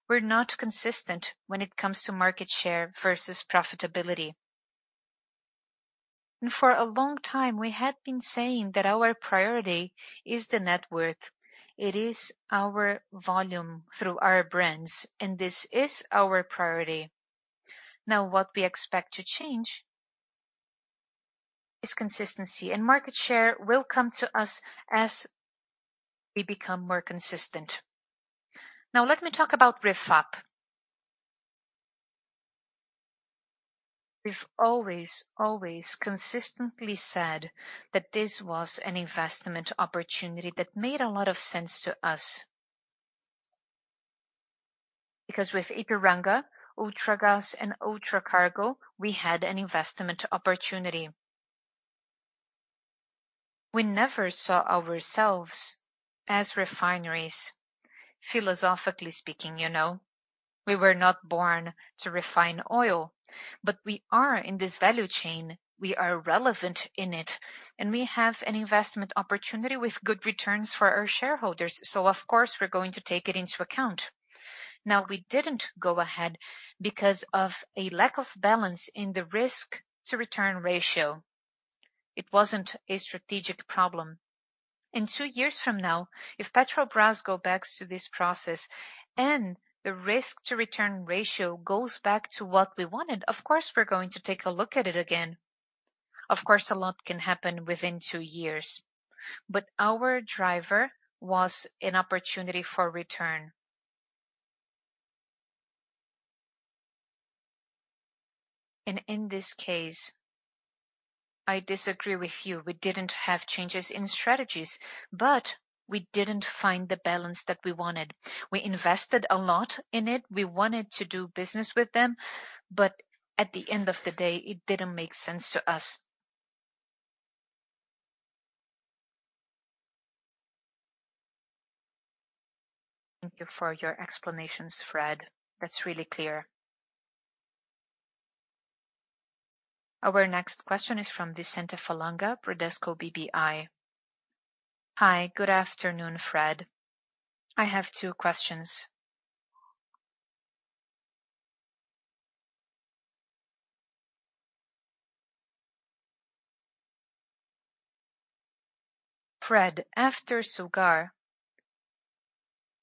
We're not consistent when it comes to market share versus profitability. For a long time, we had been saying that our priority is the network. It is our volume through our brands, and this is our priority. Now, what we expect to change is consistency, and market share will come to us as we become more consistent. Now let me talk about Refap. We've always consistently said that this was an investment opportunity that made a lot of sense to us. Because with Ipiranga, Ultragaz, and Ultracargo, we had an investment opportunity. We never saw ourselves as refineries, philosophically speaking, you know. We were not born to refine oil, but we are in this value chain. We are relevant in it, and we have an investment opportunity with good returns for our shareholders. Of course, we're going to take it into account. Now, we didn't go ahead because of a lack of balance in the risk to return ratio. It wasn't a strategic problem. In two years from now, if Petrobras go back to this process and the risk to return ratio goes back to what we wanted, of course, we're going to take a look at it again. Of course, a lot can happen within two years, but our driver was an opportunity for return. In this case, I disagree with you. We didn't have changes in strategies, but we didn't find the balance that we wanted. We invested a lot in it. We wanted to do business with them, but at the end of the day, it didn't make sense to us. Thank you for your explanations, Fred. That's really clear. Our next question is from Vicente Falanga, Bradesco BBI. Hi, good afternoon, Fred. I have two questions. Fred, after Sulgás,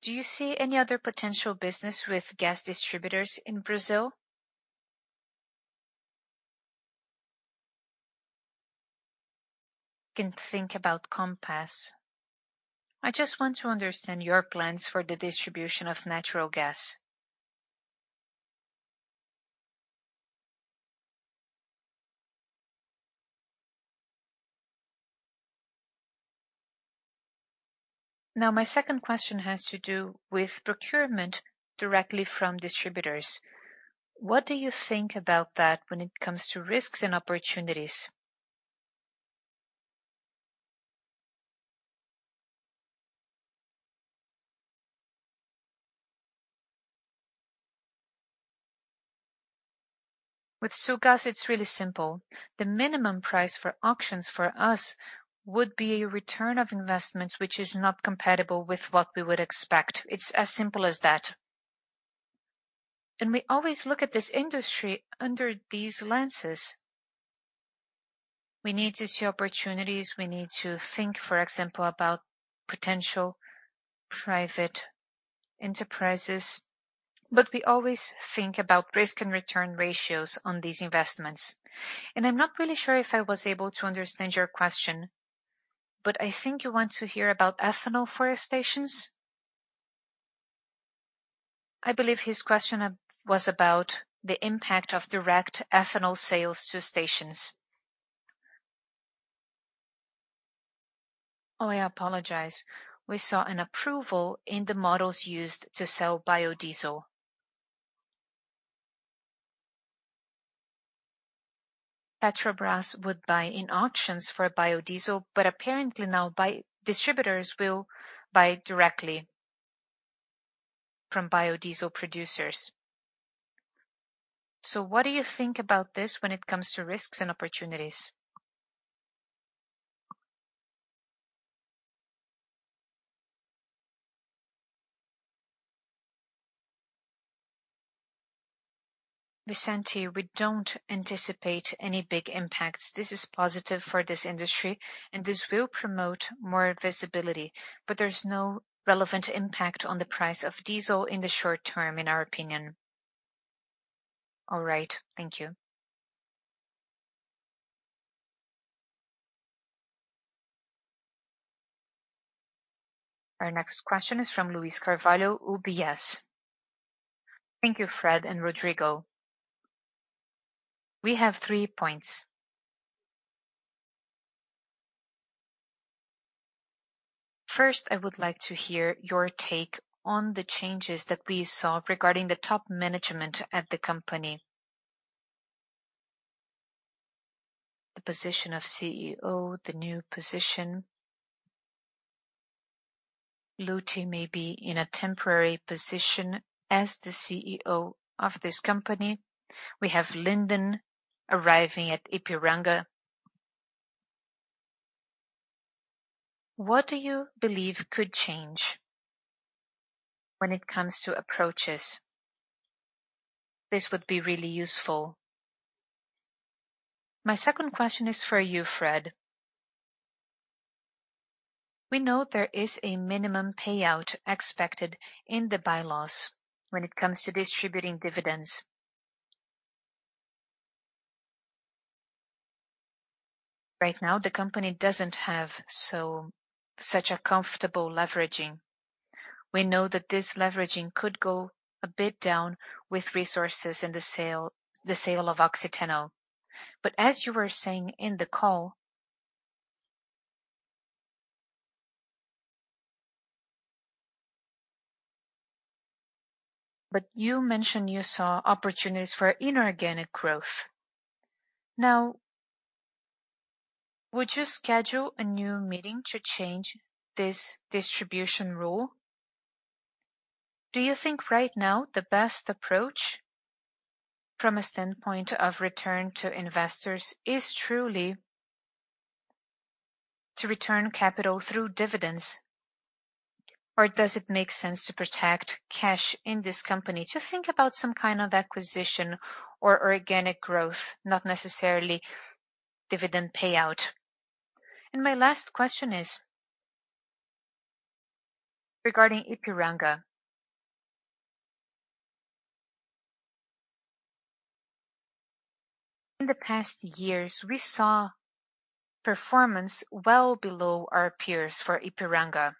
do you see any other potential business with gas distributors in Brazil? You can think about Compass. I just want to understand your plans for the distribution of natural gas. Now, my second question has to do with procurement directly from distributors. What do you think about that when it comes to risks and opportunities? With Sulgás, it's really simple. The minimum price for auctions for us would be a return on investments, which is not compatible with what we would expect. It's as simple as that. We always look at this industry under these lenses. We need to see opportunities. We need to think, for example, about potential private enterprises. We always think about risk and return ratios on these investments. I'm not really sure if I was able to understand your question, but I think you want to hear about ethanol for stations. I believe his question was about the impact of direct ethanol sales to stations. Oh, I apologize. We saw an approval in the modalities used to sell biodiesel. Petrobras would buy in auctions for biodiesel, but apparently now distributors will buy directly from biodiesel producers. What do you think about this when it comes to risks and opportunities? Vicente, we don't anticipate any big impacts. This is positive for this industry, and this will promote more visibility. There's no relevant impact on the price of diesel in the short term, in our opinion. All right. Thank you. Our next question is from Luiz Carvalho, UBS. Thank you, Fred and Rodrigo. We have three points. First, I would like to hear your take on the changes that we saw regarding the top management at the company. The position of CEO, the new position. Lutz may be in a temporary position as the CEO of this company. We have Linden arriving at Ipiranga. What do you believe could change when it comes to approaches? This would be really useful. My second question is for you, Fred. We know there is a minimum payout expected in the bylaws when it comes to distributing dividends. Right now, the company doesn't have such a comfortable leveraging. We know that this leveraging could go a bit down with resources in the sale of Oxiteno. But as you were saying in the call. You mentioned you saw opportunities for inorganic growth. Now, would you schedule a new meeting to change this distribution rule? Do you think right now the best approach from a standpoint of return to investors is truly to return capital through dividends? Or does it make sense to protect cash in this company to think about some kind of acquisition or organic growth, not necessarily dividend payout? My last question is regarding Ipiranga. In the past years, we saw performance well below our peers for Ipiranga.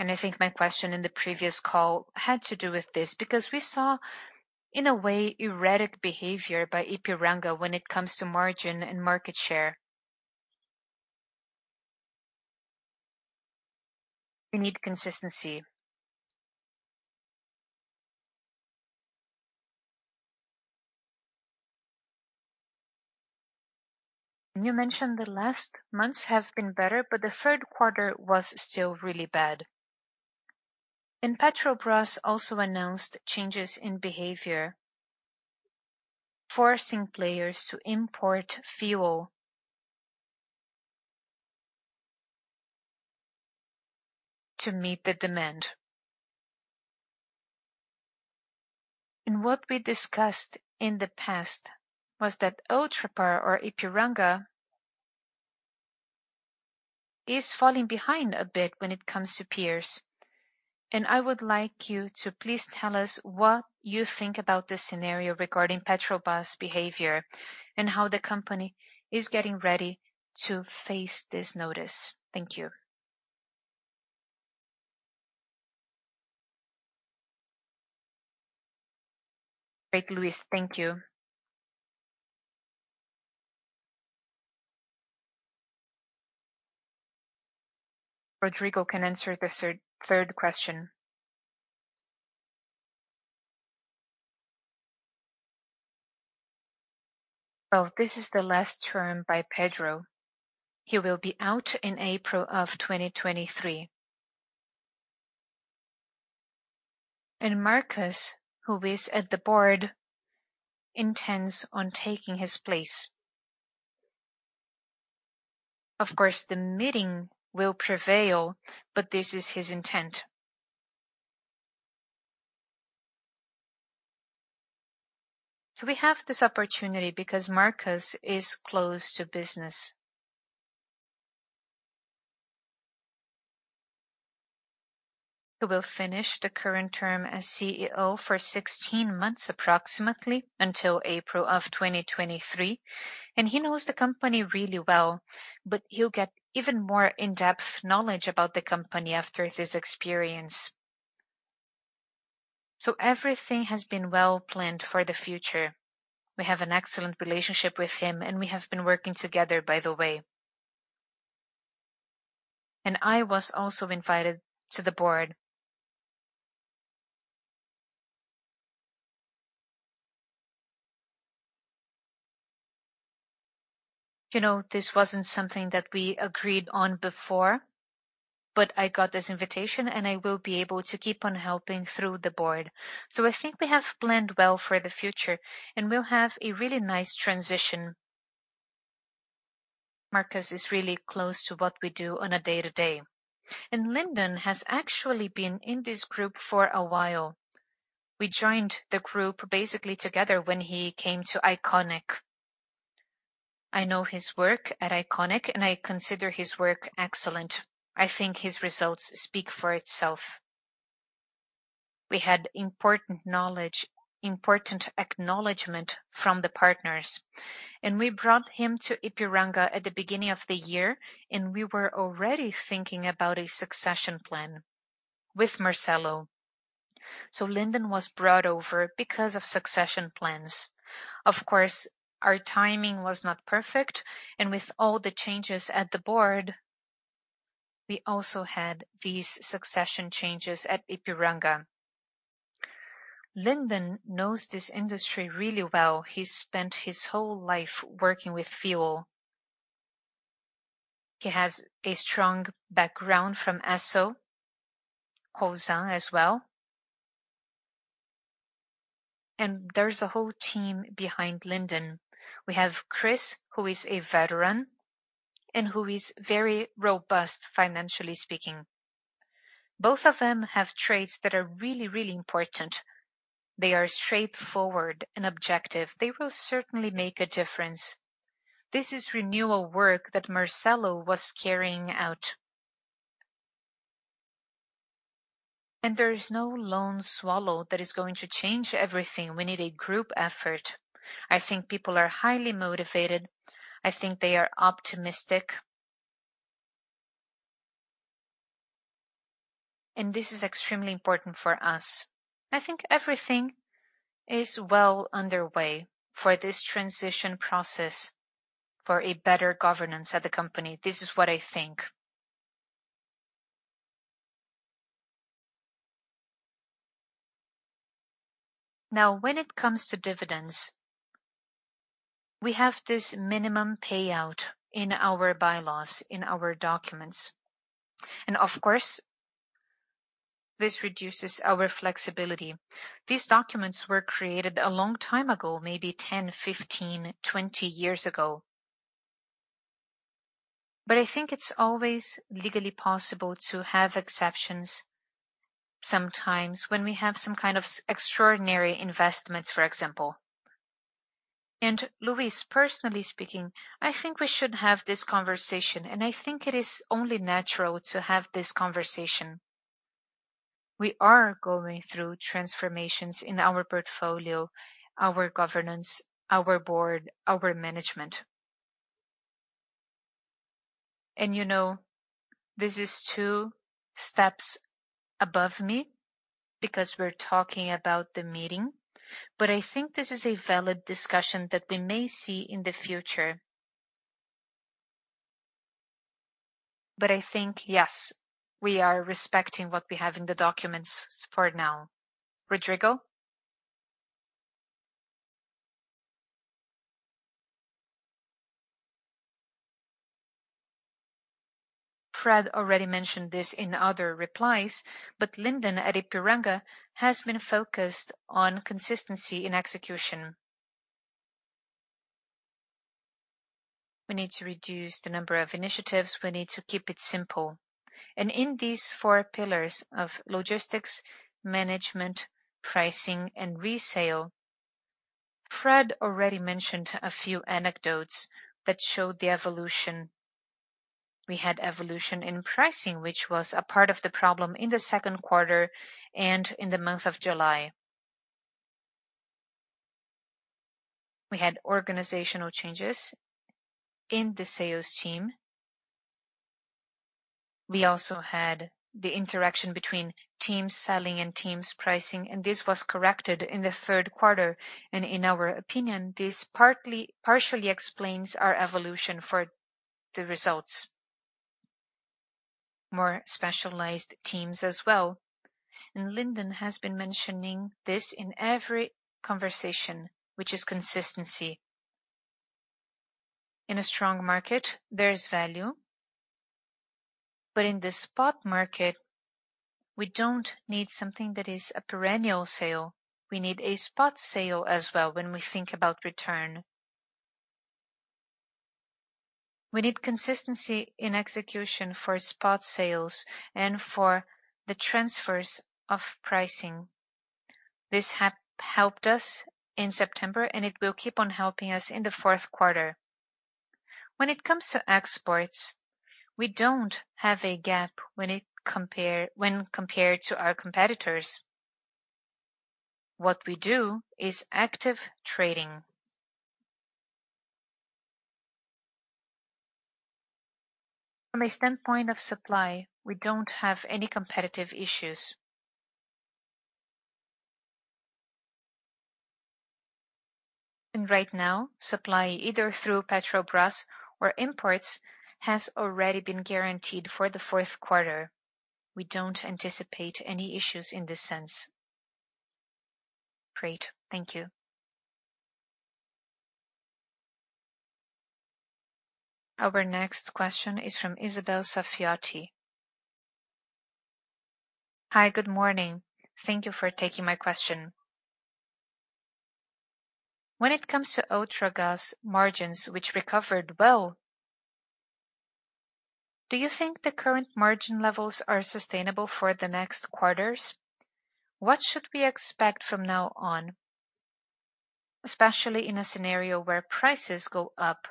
I think my question in the previous call had to do with this because we saw, in a way, erratic behavior by Ipiranga when it comes to margin and market share. We need consistency. You mentioned the last months have been better, but the third quarter was still really bad. Petrobras also announced changes in behavior, forcing players to import fuel to meet the demand. What we discussed in the past was that Ultragaz or Ipiranga is falling behind a bit when it comes to peers. I would like you to please tell us what you think about this scenario regarding Petrobras behavior and how the company is getting ready to face this notice. Thank you. Great, Luis. Thank you. Rodrigo can answer the third question. Well, this is the last term by Pedro. He will be out in April 2023. Marcos, who is at the board, intends on taking his place. Of course, the meeting will prevail, but this is his intent. We have this opportunity because Marcos is close to business. He will finish the current term as CEO for 16 months, approximately until April 2023, and he knows the company really well, but he'll get even more in-depth knowledge about the company after this experience. Everything has been well planned for the future. We have an excellent relationship with him, and we have been working together, by the way. I was also invited to the board. You know, this wasn't something that we agreed on before, but I got this invitation, and I will be able to keep on helping through the board. I think we have planned well for the future, and we'll have a really nice transition. Marcos is really close to what we do on a day-to-day. Linden has actually been in this group for a while. We joined the group basically together when he came to Iconic. I know his work at Iconic, and I consider his work excellent. I think his results speak for itself. We had important knowledge, important acknowledgment from the partners. We brought him to Ipiranga at the beginning of the year, and we were already thinking about a succession plan with Marcelo. Linden was brought over because of succession plans. Of course, our timing was not perfect, and with all the changes at the board, we also had these succession changes at Ipiranga. Linden knows this industry really well. He spent his whole life working with fuel. He has a strong background from Esso, Cosan as well. There's a whole team behind Linden. We have Chris, who is a veteran and who is very robust, financially speaking. Both of them have traits that are really, really important. They are straightforward and objective. They will certainly make a difference. This is renewal work that Marcelo was carrying out. There is no lone swallow that is going to change everything. We need a group effort. I think people are highly motivated. I think they are optimistic. This is extremely important for us. I think everything is well underway for this transition process for a better governance at the company. This is what I think. Now, when it comes to dividends, we have this minimum payout in our bylaws, in our documents. Of course, this reduces our flexibility. These documents were created a long time ago, maybe 10, 15, 20 years ago. I think it's always legally possible to have exceptions sometimes when we have some kind of extraordinary investments, for example. Luiz, personally speaking, I think we should have this conversation, and I think it is only natural to have this conversation. We are going through transformations in our portfolio, our governance, our board, our management. You know, this is two steps above me because we're talking about the meeting. I think this is a valid discussion that we may see in the future. I think, yes, we are respecting what we have in the documents for now. Rodrigo. Fred already mentioned this in other replies, but Linden at Ipiranga has been focused on consistency in execution. We need to reduce the number of initiatives. We need to keep it simple. In these four pillars of logistics, management, pricing, and resale, Fred already mentioned a few anecdotes that showed the evolution. We had evolution in pricing, which was a part of the problem in the second quarter and in the month of July. We had organizational changes in the sales team. We also had the interaction between teams selling and teams pricing, and this was corrected in the third quarter. In our opinion, this partially explains our evolution for the results. More specialized teams as well. Linden has been mentioning this in every conversation, which is consistency. In a strong market, there is value. In the spot market, we don't need something that is a perennial sale. We need a spot sale as well when we think about return. We need consistency in execution for spot sales and for the transfers of pricing. This have helped us in September, and it will keep on helping us in the fourth quarter. When it comes to exports, we don't have a gap when compared to our competitors. What we do is active trading. From a standpoint of supply, we don't have any competitive issues. Right now, supply either through Petrobras or imports has already been guaranteed for the fourth quarter. We don't anticipate any issues in this sense. Great. Thank you. Our next question is from Isabel Saffioti. Hi, good morning. Thank you for taking my question. When it comes to Ultragaz margins, which recovered well, do you think the current margin levels are sustainable for the next quarters? What should we expect from now on, especially in a scenario where prices go up?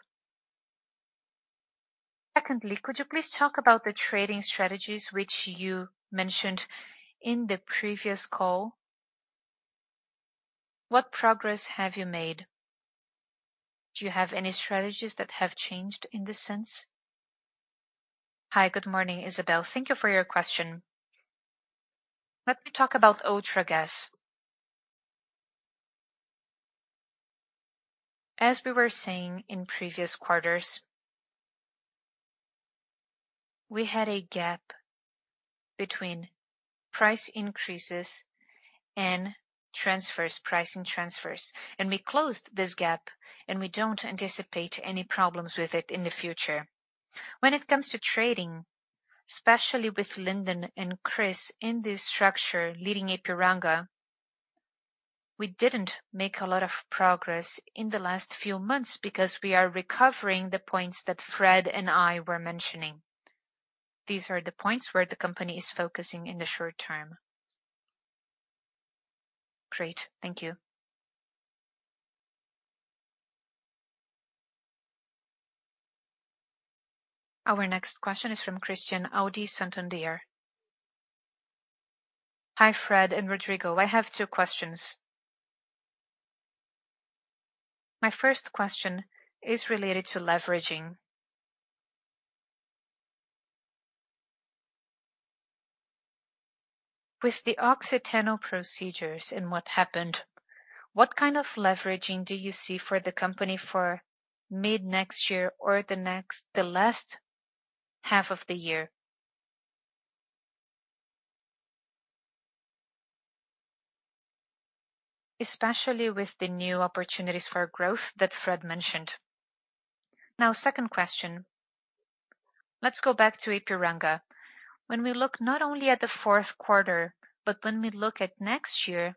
Secondly, could you please talk about the trading strategies which you mentioned in the previous call? What progress have you made? Do you have any strategies that have changed in this sense? Hi, good morning, Isabel. Thank you for your question. Let me talk about Ultragaz. As we were saying in previous quarters, we had a gap between price increases and transfers, pricing transfers, and we closed this gap, and we don't anticipate any problems with it in the future. When it comes to trading, especially with Linden and Chris in this structure leading Ipiranga, we didn't make a lot of progress in the last few months because we are recovering the points that Fred and I were mentioning. These are the points where the company is focusing in the short term. Great. Thank you. Our next question is from Christian Audi, Santander. Hi, Fred and Rodrigo. I have two questions. My first question is related to leveraging with the Oxiteno procedures and what happened, what kind of leveraging do you see for the company for mid next year or the last half of the year? Especially with the new opportunities for growth that Fred mentioned. Now, second question. Let's go back to Ipiranga. When we look not only at the fourth quarter, but when we look at next year,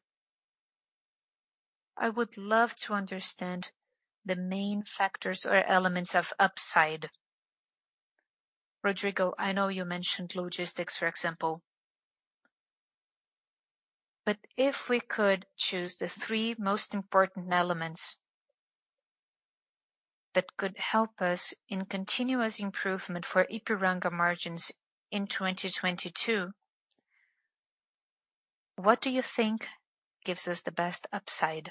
I would love to understand the main factors or elements of upside. Rodrigo, I know you mentioned logistics, for example. But if we could choose the three most important elements that could help us in continuous improvement for Ipiranga margins in 2022, what do you think gives us the best upside?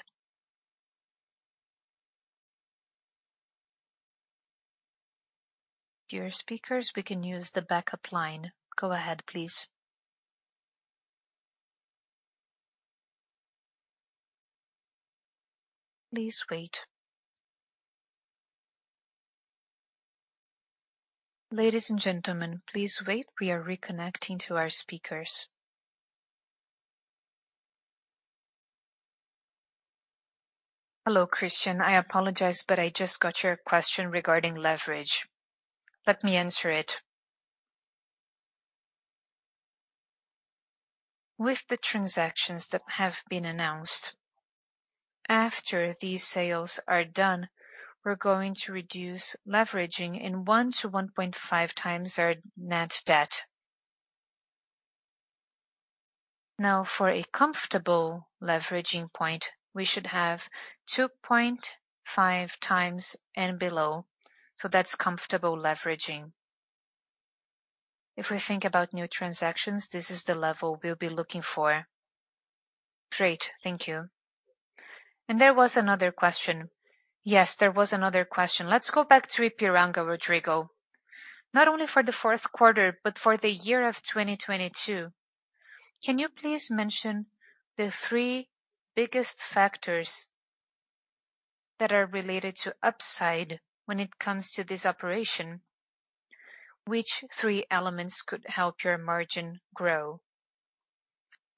Hello, Christian. I apologize, but I just got your question regarding leverage. Let me answer it. With the transactions that have been announced, after these sales are done, we're going to reduce leverage 1x-1.5x our net debt. Now, for a comfortable leverage point, we should have 2.5x and below, so that's comfortable leverage. If we think about new transactions, this is the level we'll be looking for. Great. Thank you. And there was another question. Yes, there was another question. Let's go back to Ipiranga, Rodrigo. Not only for the fourth quarter, but for the year of 2022, can you please mention the three biggest factors that are related to upside when it comes to this operation? Which three elements could help your margin grow?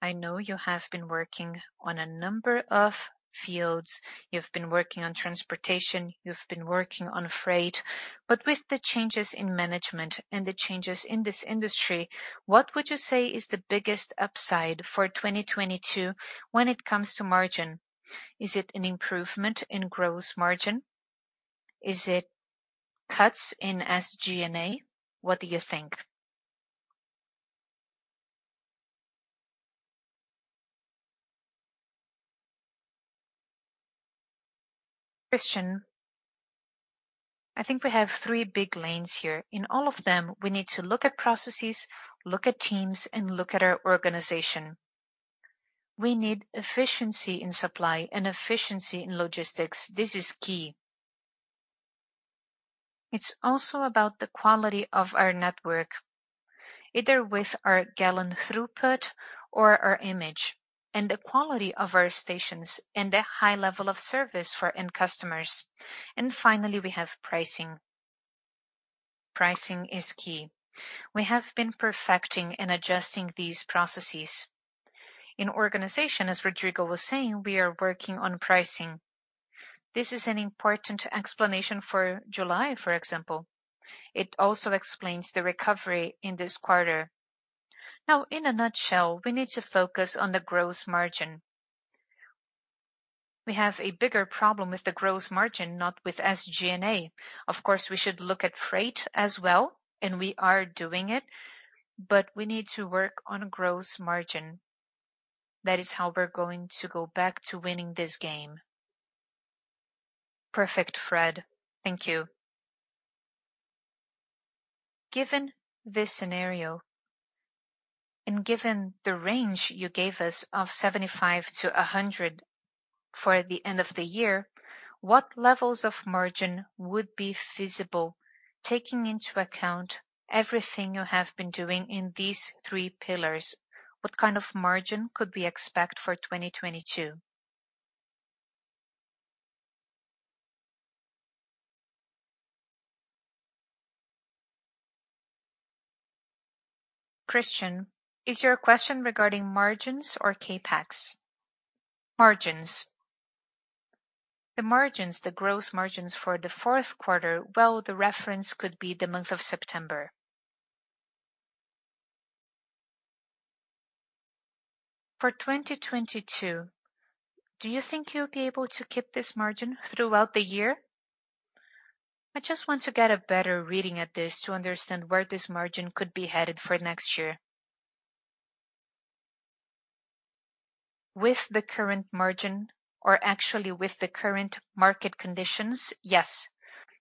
I know you have been working on a number of fields. You've been working on transportation, you've been working on freight. With the changes in management and the changes in this industry, what would you say is the biggest upside for 2022 when it comes to margin? Is it an improvement in gross margin? Is it cuts in SG&A? What do you think? Christian, I think we have three big lanes here. In all of them, we need to look at processes, look at teams, and look at our organization. We need efficiency in supply and efficiency in logistics. This is key. It's also about the quality of our network, either with our gallon throughput or our image, and the quality of our stations and the high level of service for end customers. Finally, we have pricing. Pricing is key. We have been perfecting and adjusting these processes. In organization, as Rodrigo was saying, we are working on pricing. This is an important explanation for July, for example. It also explains the recovery in this quarter. Now, in a nutshell, we need to focus on the gross margin. We have a bigger problem with the gross margin, not with SG&A. Of course, we should look at freight as well, and we are doing it, but we need to work on gross margin. That is how we're going to go back to winning this game. Perfect, Fred. Thank you. Given this scenario, and given the range you gave us of 75-100 for the end of the year, what levels of margin would be feasible, taking into account everything you have been doing in these three pillars? What kind of margin could we expect for 2022? Christian, is your question regarding margins or CapEx? Margins. The margins, the gross margins for the fourth quarter, well, the reference could be the month of September. For 2022, do you think you'll be able to keep this margin throughout the year? I just want to get a better reading at this to understand where this margin could be headed for next year. With the current margin or actually with the current market conditions, yes,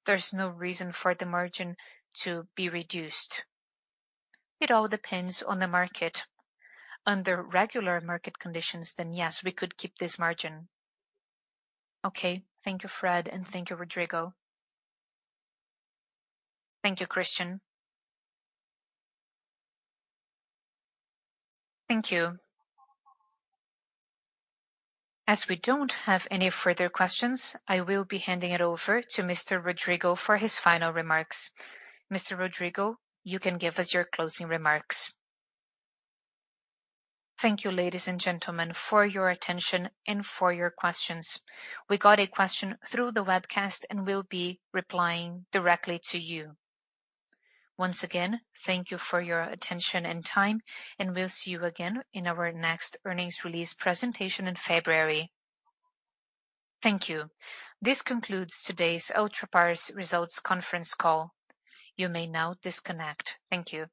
there's no reason for the margin to be reduced. It all depends on the market. Under regular market conditions, then yes, we could keep this margin. Okay. Thank you, Fred, and thank you, Rodrigo. Thank you, Christian. Thank you. As we don't have any further questions, I will be handing it over to Mr. Rodrigo for his final remarks. Mr. Rodrigo, you can give us your closing remarks. Thank you, ladies and gentlemen, for your attention and for your questions. We got a question through the webcast, and we'll be replying directly to you. Once again, thank you for your attention and time, and we'll see you again in our next earnings release presentation in February. Thank you. This concludes today's Ultrapar's results conference call. You may now disconnect. Thank you.